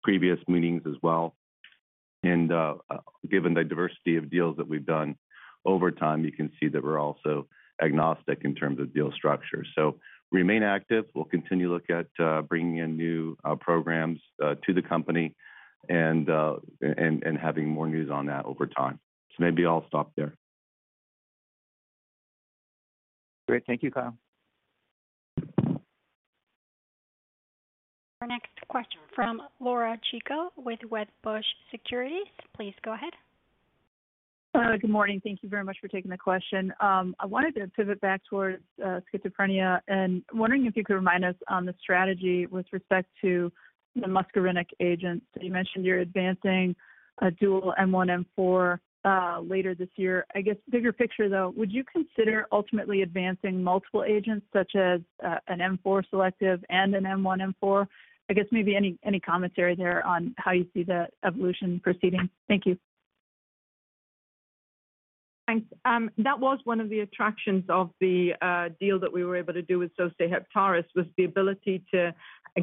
previous meetings as well. Given the diversity of deals that we've done over time, you can see that we're also agnostic in terms of deal structure. Remain active. We'll continue to look at bringing in new programs to the company and having more news on that over time. Maybe I'll stop there. Great. Thank you, Kyle. Our next question from Laura Chico with Wedbush Securities. Please go ahead. Hello. Good morning. Thank you very much for taking the question. I wanted to pivot back towards schizophrenia and wondering if you could remind us on the strategy with respect to the muscarinic agents. You mentioned you're advancing a dual M1 M4 later this year. I guess bigger picture, though, would you consider ultimately advancing multiple agents such as an M4 selective and an M1 M4? I guess maybe any commentary there on how you see the evolution proceeding. Thank you. Thanks. That was one of the attractions of the deal that we were able to do with Sosei Heptares, was the ability to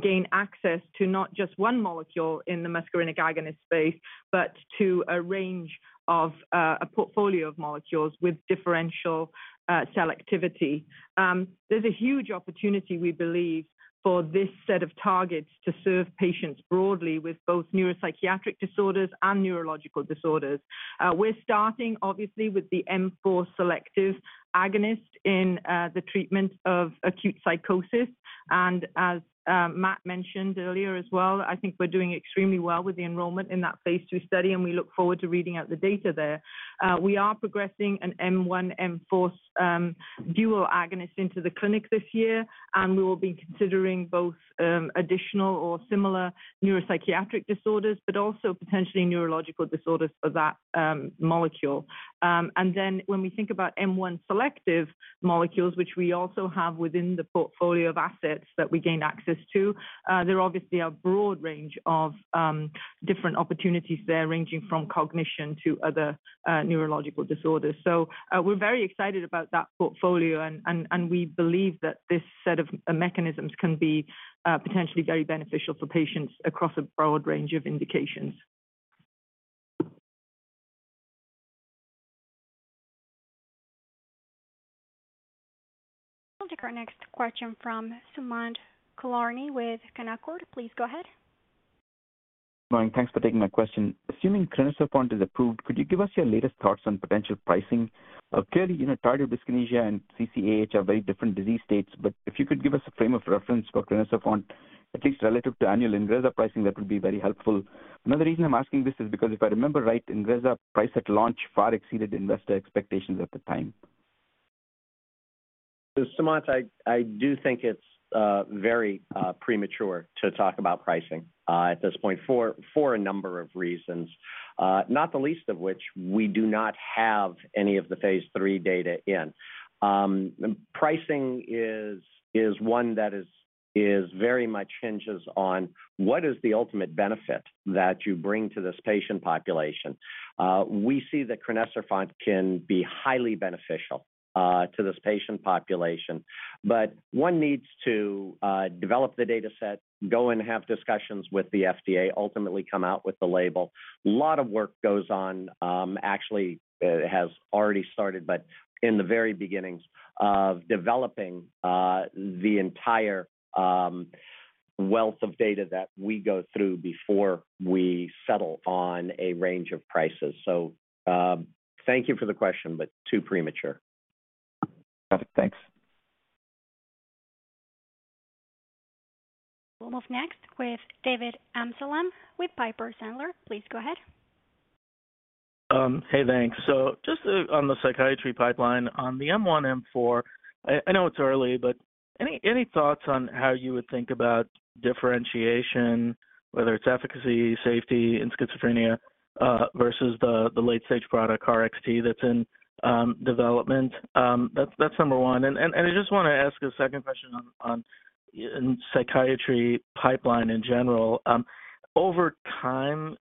gain access to not just one molecule in the muscarinic agonist space, but to a range of a portfolio of molecules with differential selectivity. there's a huge opportunity, we believe, for this set of targets to serve patients broadly with both neuropsychiatric disorders and neurological disorders. We're starting obviously with the M4 selective agonist in the treatment of acute psychosis. And as Matt mentioned earlier as well, I think we're doing extremely well with the enrollment in that phase II study, and we look forward to reading out the data there. We are progressing an M1/M4 dual agonist into the clinic this year, and we will be considering both additional or similar neuropsychiatric disorders, but also potentially neurological disorders for that molecule. When we think about M1 selective molecules, which we also have within the portfolio of assets that we gain access to, there obviously are broad range of different opportunities there, ranging from cognition to other neurological disorders. We're very excited about that portfolio and we believe that this set of mechanisms can be, potentially very beneficial for patients across a broad range of indications. We'll take our next question from Sumant Kulkarni with Canaccord. Please go ahead. Morning. Thanks for taking my question. Assuming crinecerfont is approved, could you give us your latest thoughts on potential pricing? Clearly, you know, tardive dyskinesia and CAH are very different disease states, but if you could give us a frame of reference for crinecerfont, at least relative to annual INGREZZA pricing, that would be very helpful. Another reason I'm asking this is because if I remember right, INGREZZA price at launch far exceeded investor expectations at the time. Sumant, I do think it's very premature to talk about pricing at this point for a number of reasons, not the least of which we do not have any of the phase III data in. Pricing is one that very much hinges on what is the ultimate benefit that you bring to this patient population. We see that crinecerfont can be highly beneficial to this patient population, but one needs to develop the dataset, go and have discussions with the FDA, ultimately come out with the label. A lot of work goes on, actually, has already started, but in the very beginnings of developing the entire wealth of data that we go through before we settle on a range of prices. Thank you for the question, but too premature. Got it. Thanks. We'll move next with David Amsellem with Piper Sandler. Please go ahead. Hey, thanks. Just on the psychiatry pipeline on the M1, M4, I know it's early, but any thoughts on how you would think about differentiation, whether it's efficacy, safety in schizophrenia, versus the late-stage product, KarXT, that's in development? That's number one. I just wanna ask a second question on in psychiatry pipeline in general. Over time,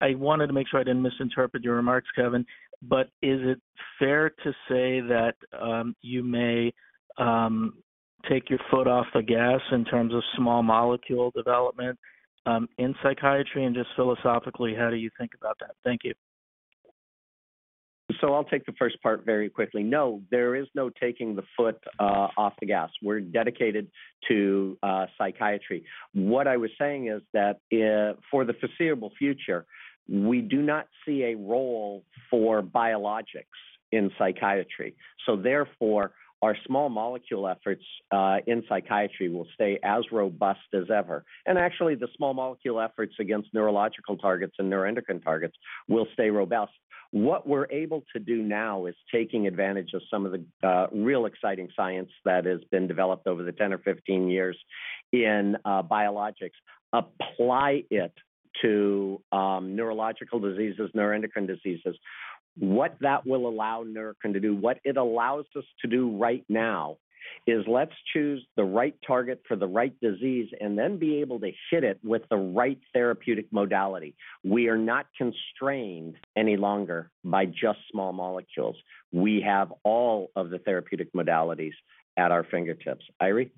I wanted to make sure I didn't misinterpret your remarks, Kevin, but is it fair to say that you may take your foot off the gas in terms of small molecule development in psychiatry, and just philosophically, how do you think about that? Thank you. I'll take the first part very quickly. No, there is no taking the foot off the gas. We're dedicated to psychiatry. What I was saying is that for the foreseeable future, we do not see a role for biologics in psychiatry, so therefore, our small molecule efforts in psychiatry will stay as robust as ever. Actually, the small molecule efforts against neurological targets and neuroendocrine targets will stay robust. What we're able to do now is taking advantage of some of the real exciting science that has been developed over the 10 or 15 years in biologics, apply it to neurological diseases, neuroendocrine diseases. What that will allow Neurocrine to do, what it allows us to do right now, is let's choose the right target for the right disease and then be able to hit it with the right therapeutic modality. We are not constrained any longer by just small molecules. We have all of the therapeutic modalities at our fingertips. Eiry?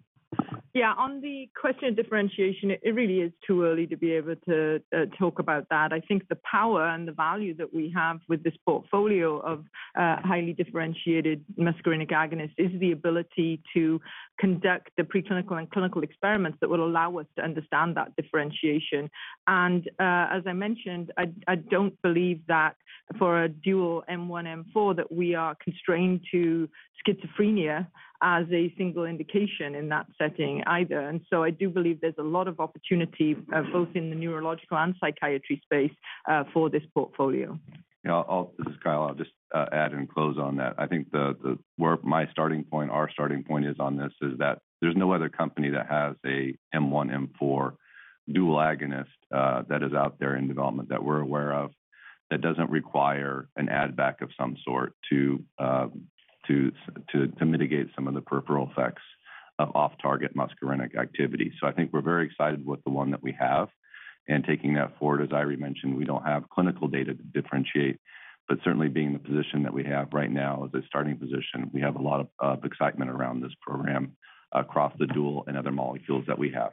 Yeah. On the question of differentiation, it really is too early to be able to talk about that. I think the power and the value that we have with this portfolio of highly differentiated muscarinic agonist is the ability to conduct the preclinical and clinical experiments that will allow us to understand that differentiation. As I mentioned, I don't believe that for a dual M1 M4 that we are constrained to schizophrenia as a single indication in that setting either. I do believe there's a lot of opportunity both in the neurological and psychiatry space for this portfolio. Yeah. I'll. This is Kyle. I'll just add and close on that. I think where my starting point, our starting point is on this is that there's no other company that has a M1 M4 dual agonist that is out there in development that we're aware of that doesn't require an add back of some sort to mitigate some of the peripheral effects of off-target muscarinic activity. I think we're very excited with the one that we have. Taking that forward, as Eiry mentioned, we don't have clinical data to differentiate. Certainly being in the position that we have right now as a starting position, we have a lot of excitement around this program across the dual and other molecules that we have.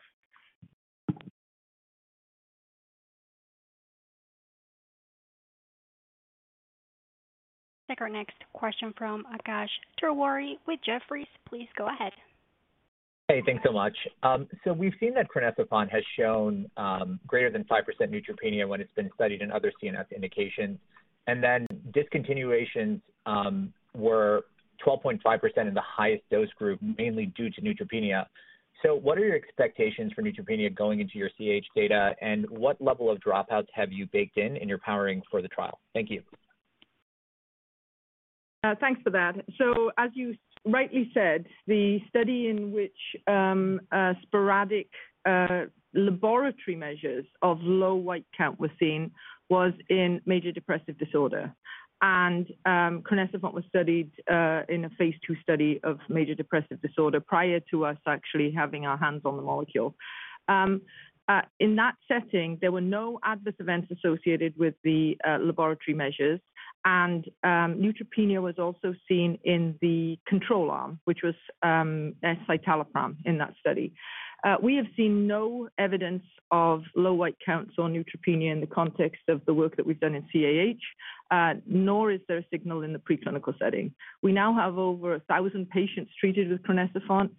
Take our next question from Akash Tewari with Jefferies. Please go ahead. Hey, thanks so much. We've seen that crinecerfont has shown greater than 5% neutropenia when it's been studied in other CNS indications, discontinuations were 12.5% in the highest dose group, mainly due to neutropenia. What are your expectations for neutropenia going into your CAH data, and what level of dropouts have you baked in in your powering for the trial? Thank you. Thanks for that. As you rightly said, the study in which a sporadic laboratory measures of low white count was seen was in major depressive disorder. crinecerfont was studied in a phase II study of major depressive disorder prior to us actually having our hands on the molecule. In that setting, there were no adverse events associated with the laboratory measures, and neutropenia was also seen in the control arm, which was escitalopram in that study. We have seen no evidence of low white counts or neutropenia in the context of the work that we've done in CAH, nor is there a signal in the preclinical setting. We now have over 1,000 patients treated with crinecerfont.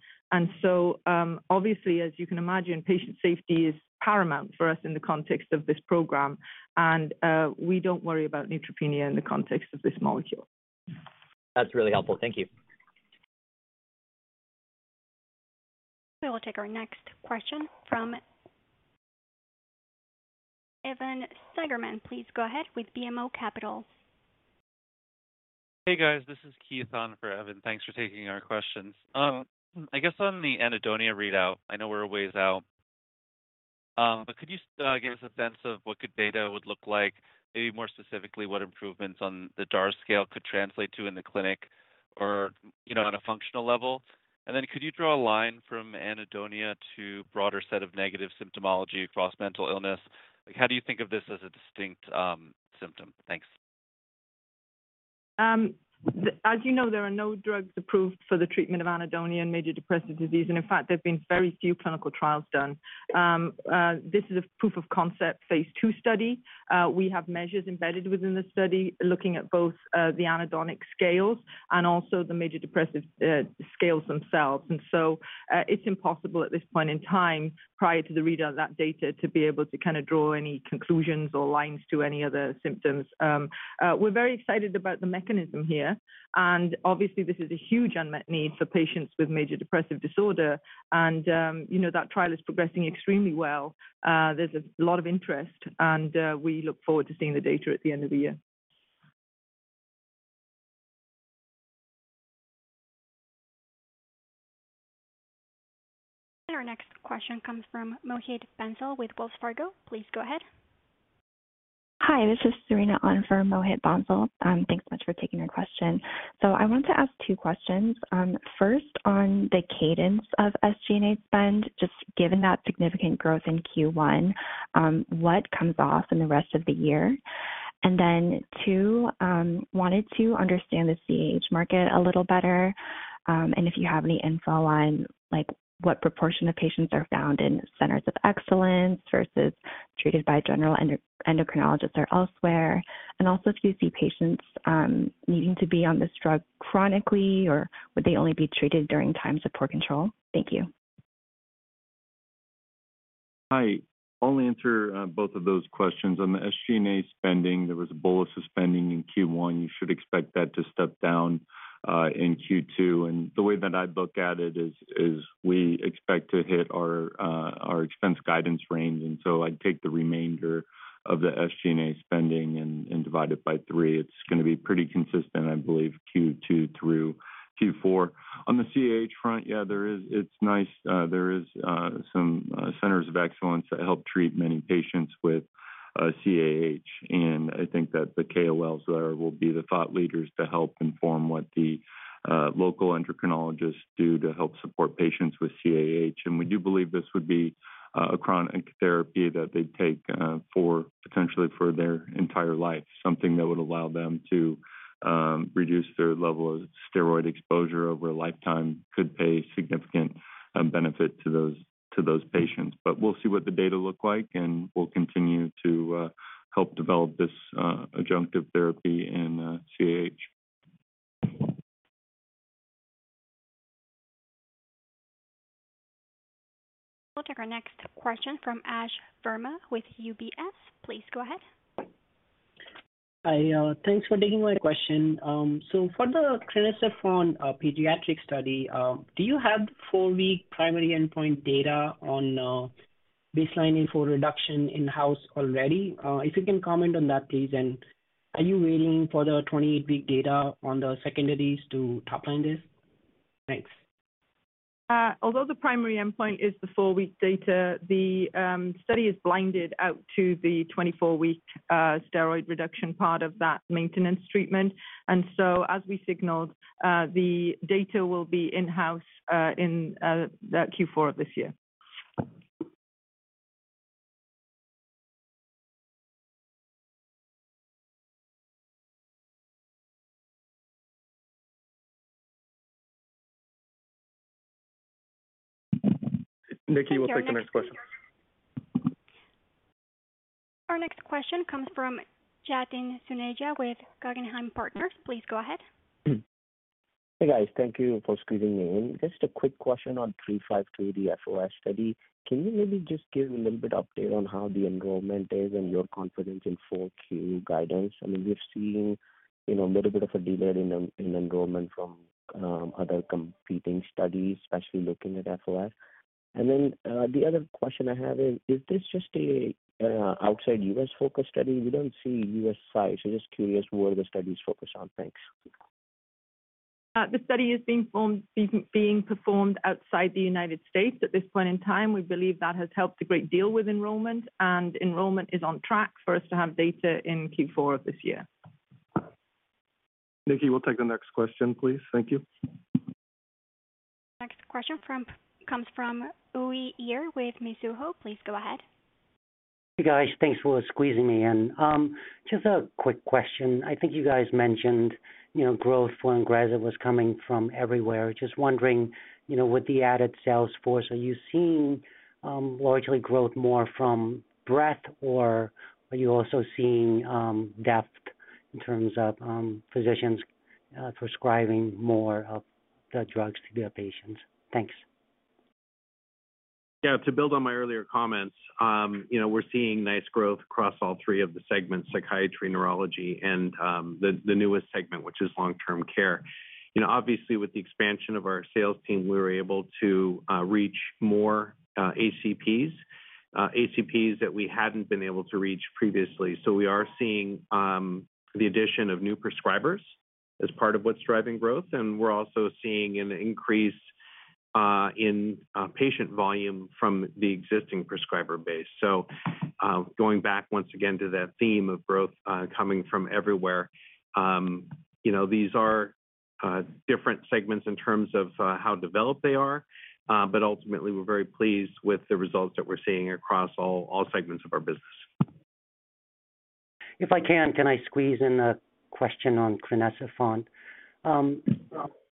Obviously, as you can imagine, patient safety is paramount for us in the context of this program, and we don't worry about neutropenia in the context of this molecule. That's really helpful. Thank you. We will take our next question from Evan Seigerman. Please go ahead with BMO Capital Markets. Hey, guys. This is Keith on for Evan. Thanks for taking our questions. I guess on the anhedonia readout, I know we're a ways out, but could you give us a sense of what good data would look like? Maybe more specifically, what improvements on the DARS scale could translate to in the clinic or, you know, on a functional level? Could you draw a line from anhedonia to broader set of negative symptomology across mental illness? How do you think of this as a distinct symptom? Thanks. As you know, there are no drugs approved for the treatment of anhedonia and major depressive disorder. In fact, there've been very few clinical trials done. This is a proof of concept phase II study. We have measures embedded within the study looking at both the anhedonic scales and also the major depressive scales themselves. It's impossible at this point in time, prior to the readout of that data, to be able to kinda draw any conclusions or lines to any other symptoms. We're very excited about the mechanism here, and obviously this is a huge unmet need for patients with major depressive disorder. You know, that trial is progressing extremely well. There's a lot of interest and we look forward to seeing the data at the end of the year. Our next question comes from Mohit Bansal with Wells Fargo. Please go ahead. Hi, this is Serena on for Mohit Bansal. Thanks so much for taking our question. I want to ask 2 questions. First, on the cadence of SG&A spend, just given that significant growth in Q1, what comes off in the rest of the year? Two, wanted to understand the CAH market a little better, and if you have any info on, like, what proportion of patients are found in centers of excellence versus treated by general endo-endocrinologists or elsewhere. If you see patients, needing to be on this drug chronically, or would they only be treated during times of poor control? Thank you. Hi. I'll answer both of those questions. On the SG&A spending, there was a bolus of spending in Q1. You should expect that to step down in Q2. The way that I'd look at it is we expect to hit our expense guidance range. I'd take the remainder of the SG&A spending and divide it by 3. It's going to be pretty consistent, I believe, Q2 through Q4. On the CAH front, yeah, there is. It's nice. There is some centers of excellence that help treat many patients with CAH. I think that the KOLs there will be the thought leaders to help inform what the local endocrinologists do to help support patients with CAH. We do believe this would be a chronic therapy that they'd take for potentially for their entire life, something that would allow them to reduce their level of steroid exposure over a lifetime could pay significant benefit to those patients. We'll see what the data look like, and we'll continue to help develop this adjunctive therapy in CAH. We'll take our next question from Ash Verma with UBS. Please go ahead. Hi. Thanks for taking my question. For the crinecerfont pediatric study, do you have 4-week primary endpoint data on baseline info reduction in-house already? If you can comment on that, please. Are you waiting for the 28-week data on the secondaries to top line this? Thanks. Although the primary endpoint is the 4-week data, the study is blinded out to the 24-week steroid reduction part of that maintenance treatment. As we signaled, the data will be in-house, in the Q4 of this year. Nikki, we'll take the next question. Our next question comes from Yatin Suneja with Guggenheim Partners. Please go ahead. Hey, guys. Thank you for squeezing me in. Just a quick question on NBI-352, the FOS study. Can you maybe just give a little bit update on how the enrollment is and your confidence in full Q guidance? I mean, we've seen, you know, a little bit of a delay in enrollment from other competing studies, especially looking at FOS. The other question I have is this just a outside U.S.-focused study? We don't see U.S. sites. Just curious what are the studies focused on. Thanks. The study is being performed outside the United States. At this point in time, we believe that has helped a great deal with enrollment. Enrollment is on track for us to have data in Q4 of this year. Nikki, we'll take the next question, please. Thank you. Next question comes from Uy Ear with Mizuho. Please go ahead. Hey, guys. Thanks for squeezing me in. Just a quick question. I think you guys mentioned, you know, growth for INGREZZA was coming from everywhere. Just wondering, you know, with the added sales force, are you seeing largely growth more from breadth or are you also seeing depth in terms of physicians prescribing more of the drugs to their patients? Thanks. Yeah, to build on my earlier comments, you know, we're seeing nice growth across all three of the segments, psychiatry, neurology, and the newest segment, which is long-term care. You know, obviously, with the expansion of our sales team, we were able to reach more ACPs. ACPs that we hadn't been able to reach previously. We are seeing the addition of new prescribers as part of what's driving growth, and we're also seeing an increase in patient volume from the existing prescriber base. Going back once again to that theme of growth, coming from everywhere, you know, these are different segments in terms of how developed they are. Ultimately, we're very pleased with the results that we're seeing across all segments of our business. If I can I squeeze in a question on crinecerfont?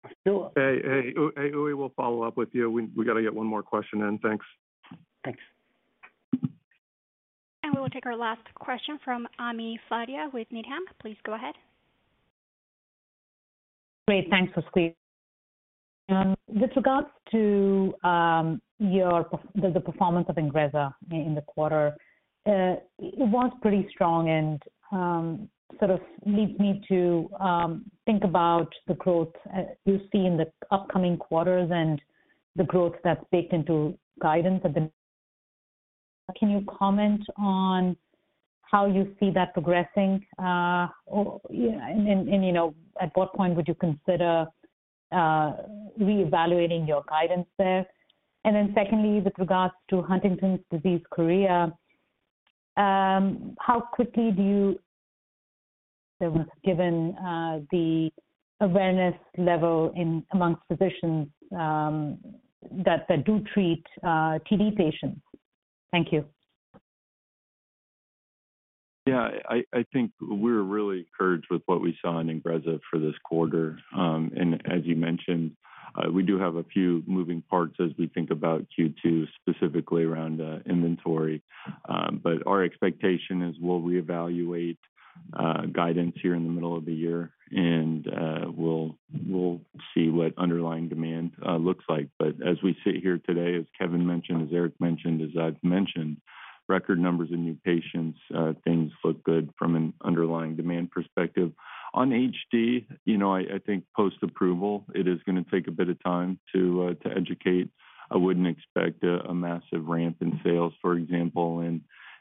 Hey, hey, Uy, we'll follow up with you. We gotta get one more question in. Thanks. Thanks. We will take our last question from Ami Fadia with Needham. Please go ahead. Great. Thanks for squeezing me in. With regards to the performance of INGREZZA in the quarter, it was pretty strong and, sort of leads me to think about the growth you see in the upcoming quarters and the growth that's baked into guidance. Can you comment on how you see that progressing, or, yeah, and, you know, at what point would you consider reevaluating your guidance there? Secondly, with regards to Huntington's disease chorea, how quickly do you... Given the awareness level in amongst physicians that do treat TD patients. Thank you. Yeah. I think we're really encouraged with what we saw in INGREZZA for this quarter. As you mentioned, we do have a few moving parts as we think about Q2, specifically around inventory. Our expectation is we'll reevaluate guidance here in the middle of the year, and we'll see what underlying demand looks like. As we sit here today, as Kevin mentioned, as Eric mentioned, as I've mentioned, record numbers of new patients, things look good from an underlying demand perspective. On HD, you know, I think post-approval, it is gonna take a bit of time to educate. I wouldn't expect a massive ramp in sales, for example,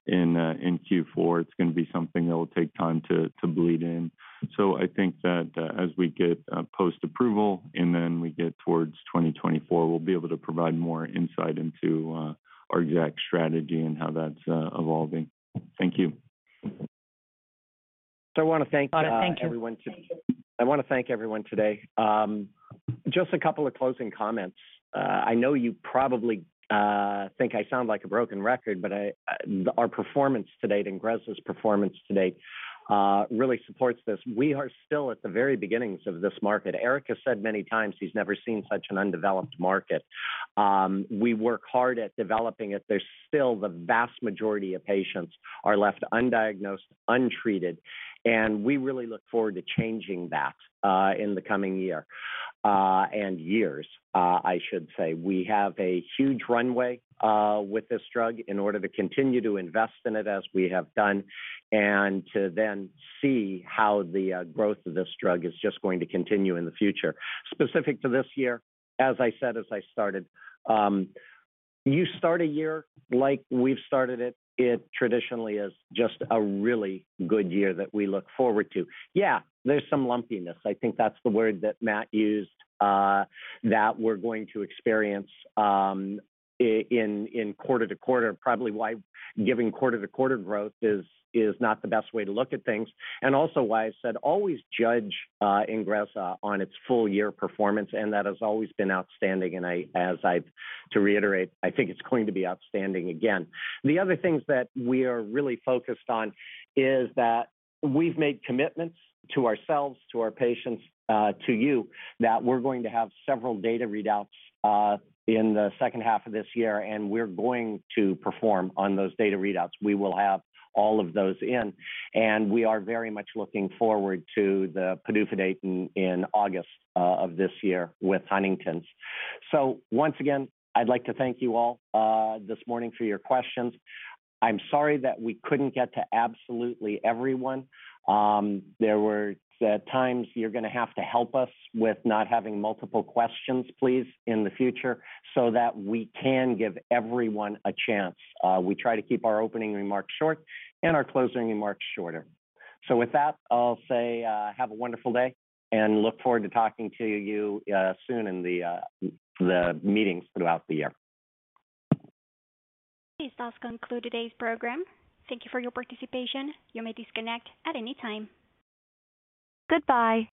in Q4. It's gonna be something that will take time to bleed in. I think that, as we get post-approval, and then we get towards 2024, we'll be able to provide more insight into our exact strategy and how that's evolving. Thank you. I wanna thank, Thank you. Everyone today. I want to thank everyone today. Just a couple of closing comments. I know you probably think I sound like a broken record, but our performance to date, INGREZZA's performance to date really supports this. We are still at the very beginnings of this market. Eric has said many times he's never seen such an undeveloped market. We work hard at developing it. There's still the vast majority of patients are left undiagnosed, untreated, and we really look forward to changing that in the coming year and years, I should say. We have a huge runway with this drug in order to continue to invest in it as we have done and to then see how the growth of this drug is just going to continue in the future. Specific to this year, as I said as I started, you start a year like we've started it traditionally is just a really good year that we look forward to. Yeah, there's some lumpiness. I think that's the word that Matt used, that we're going to experience, in quarter to quarter. Probably why giving quarter to quarter growth is not the best way to look at things. Also why I said always judge, INGREZZA on its full year performance, and that has always been outstanding. I, to reiterate, I think it's going to be outstanding again. The other things that we are really focused on is that we've made commitments to ourselves, to our patients, to you, that we're going to have several data readouts in the second half of this year, and we're going to perform on those data readouts. We will have all of those in. We are very much looking forward to the PDUFA in August of this year with Huntington's. Once again, I'd like to thank you all this morning for your questions. I'm sorry that we couldn't get to absolutely everyone. There were times you're gonna have to help us with not having multiple questions, please, in the future, so that we can give everyone a chance. We try to keep our opening remarks short and our closing remarks shorter. With that, I'll say, have a wonderful day and look forward to talking to you, soon in the meetings throughout the year. This does conclude today's program. Thank you for your participation. You may disconnect at any time. Goodbye.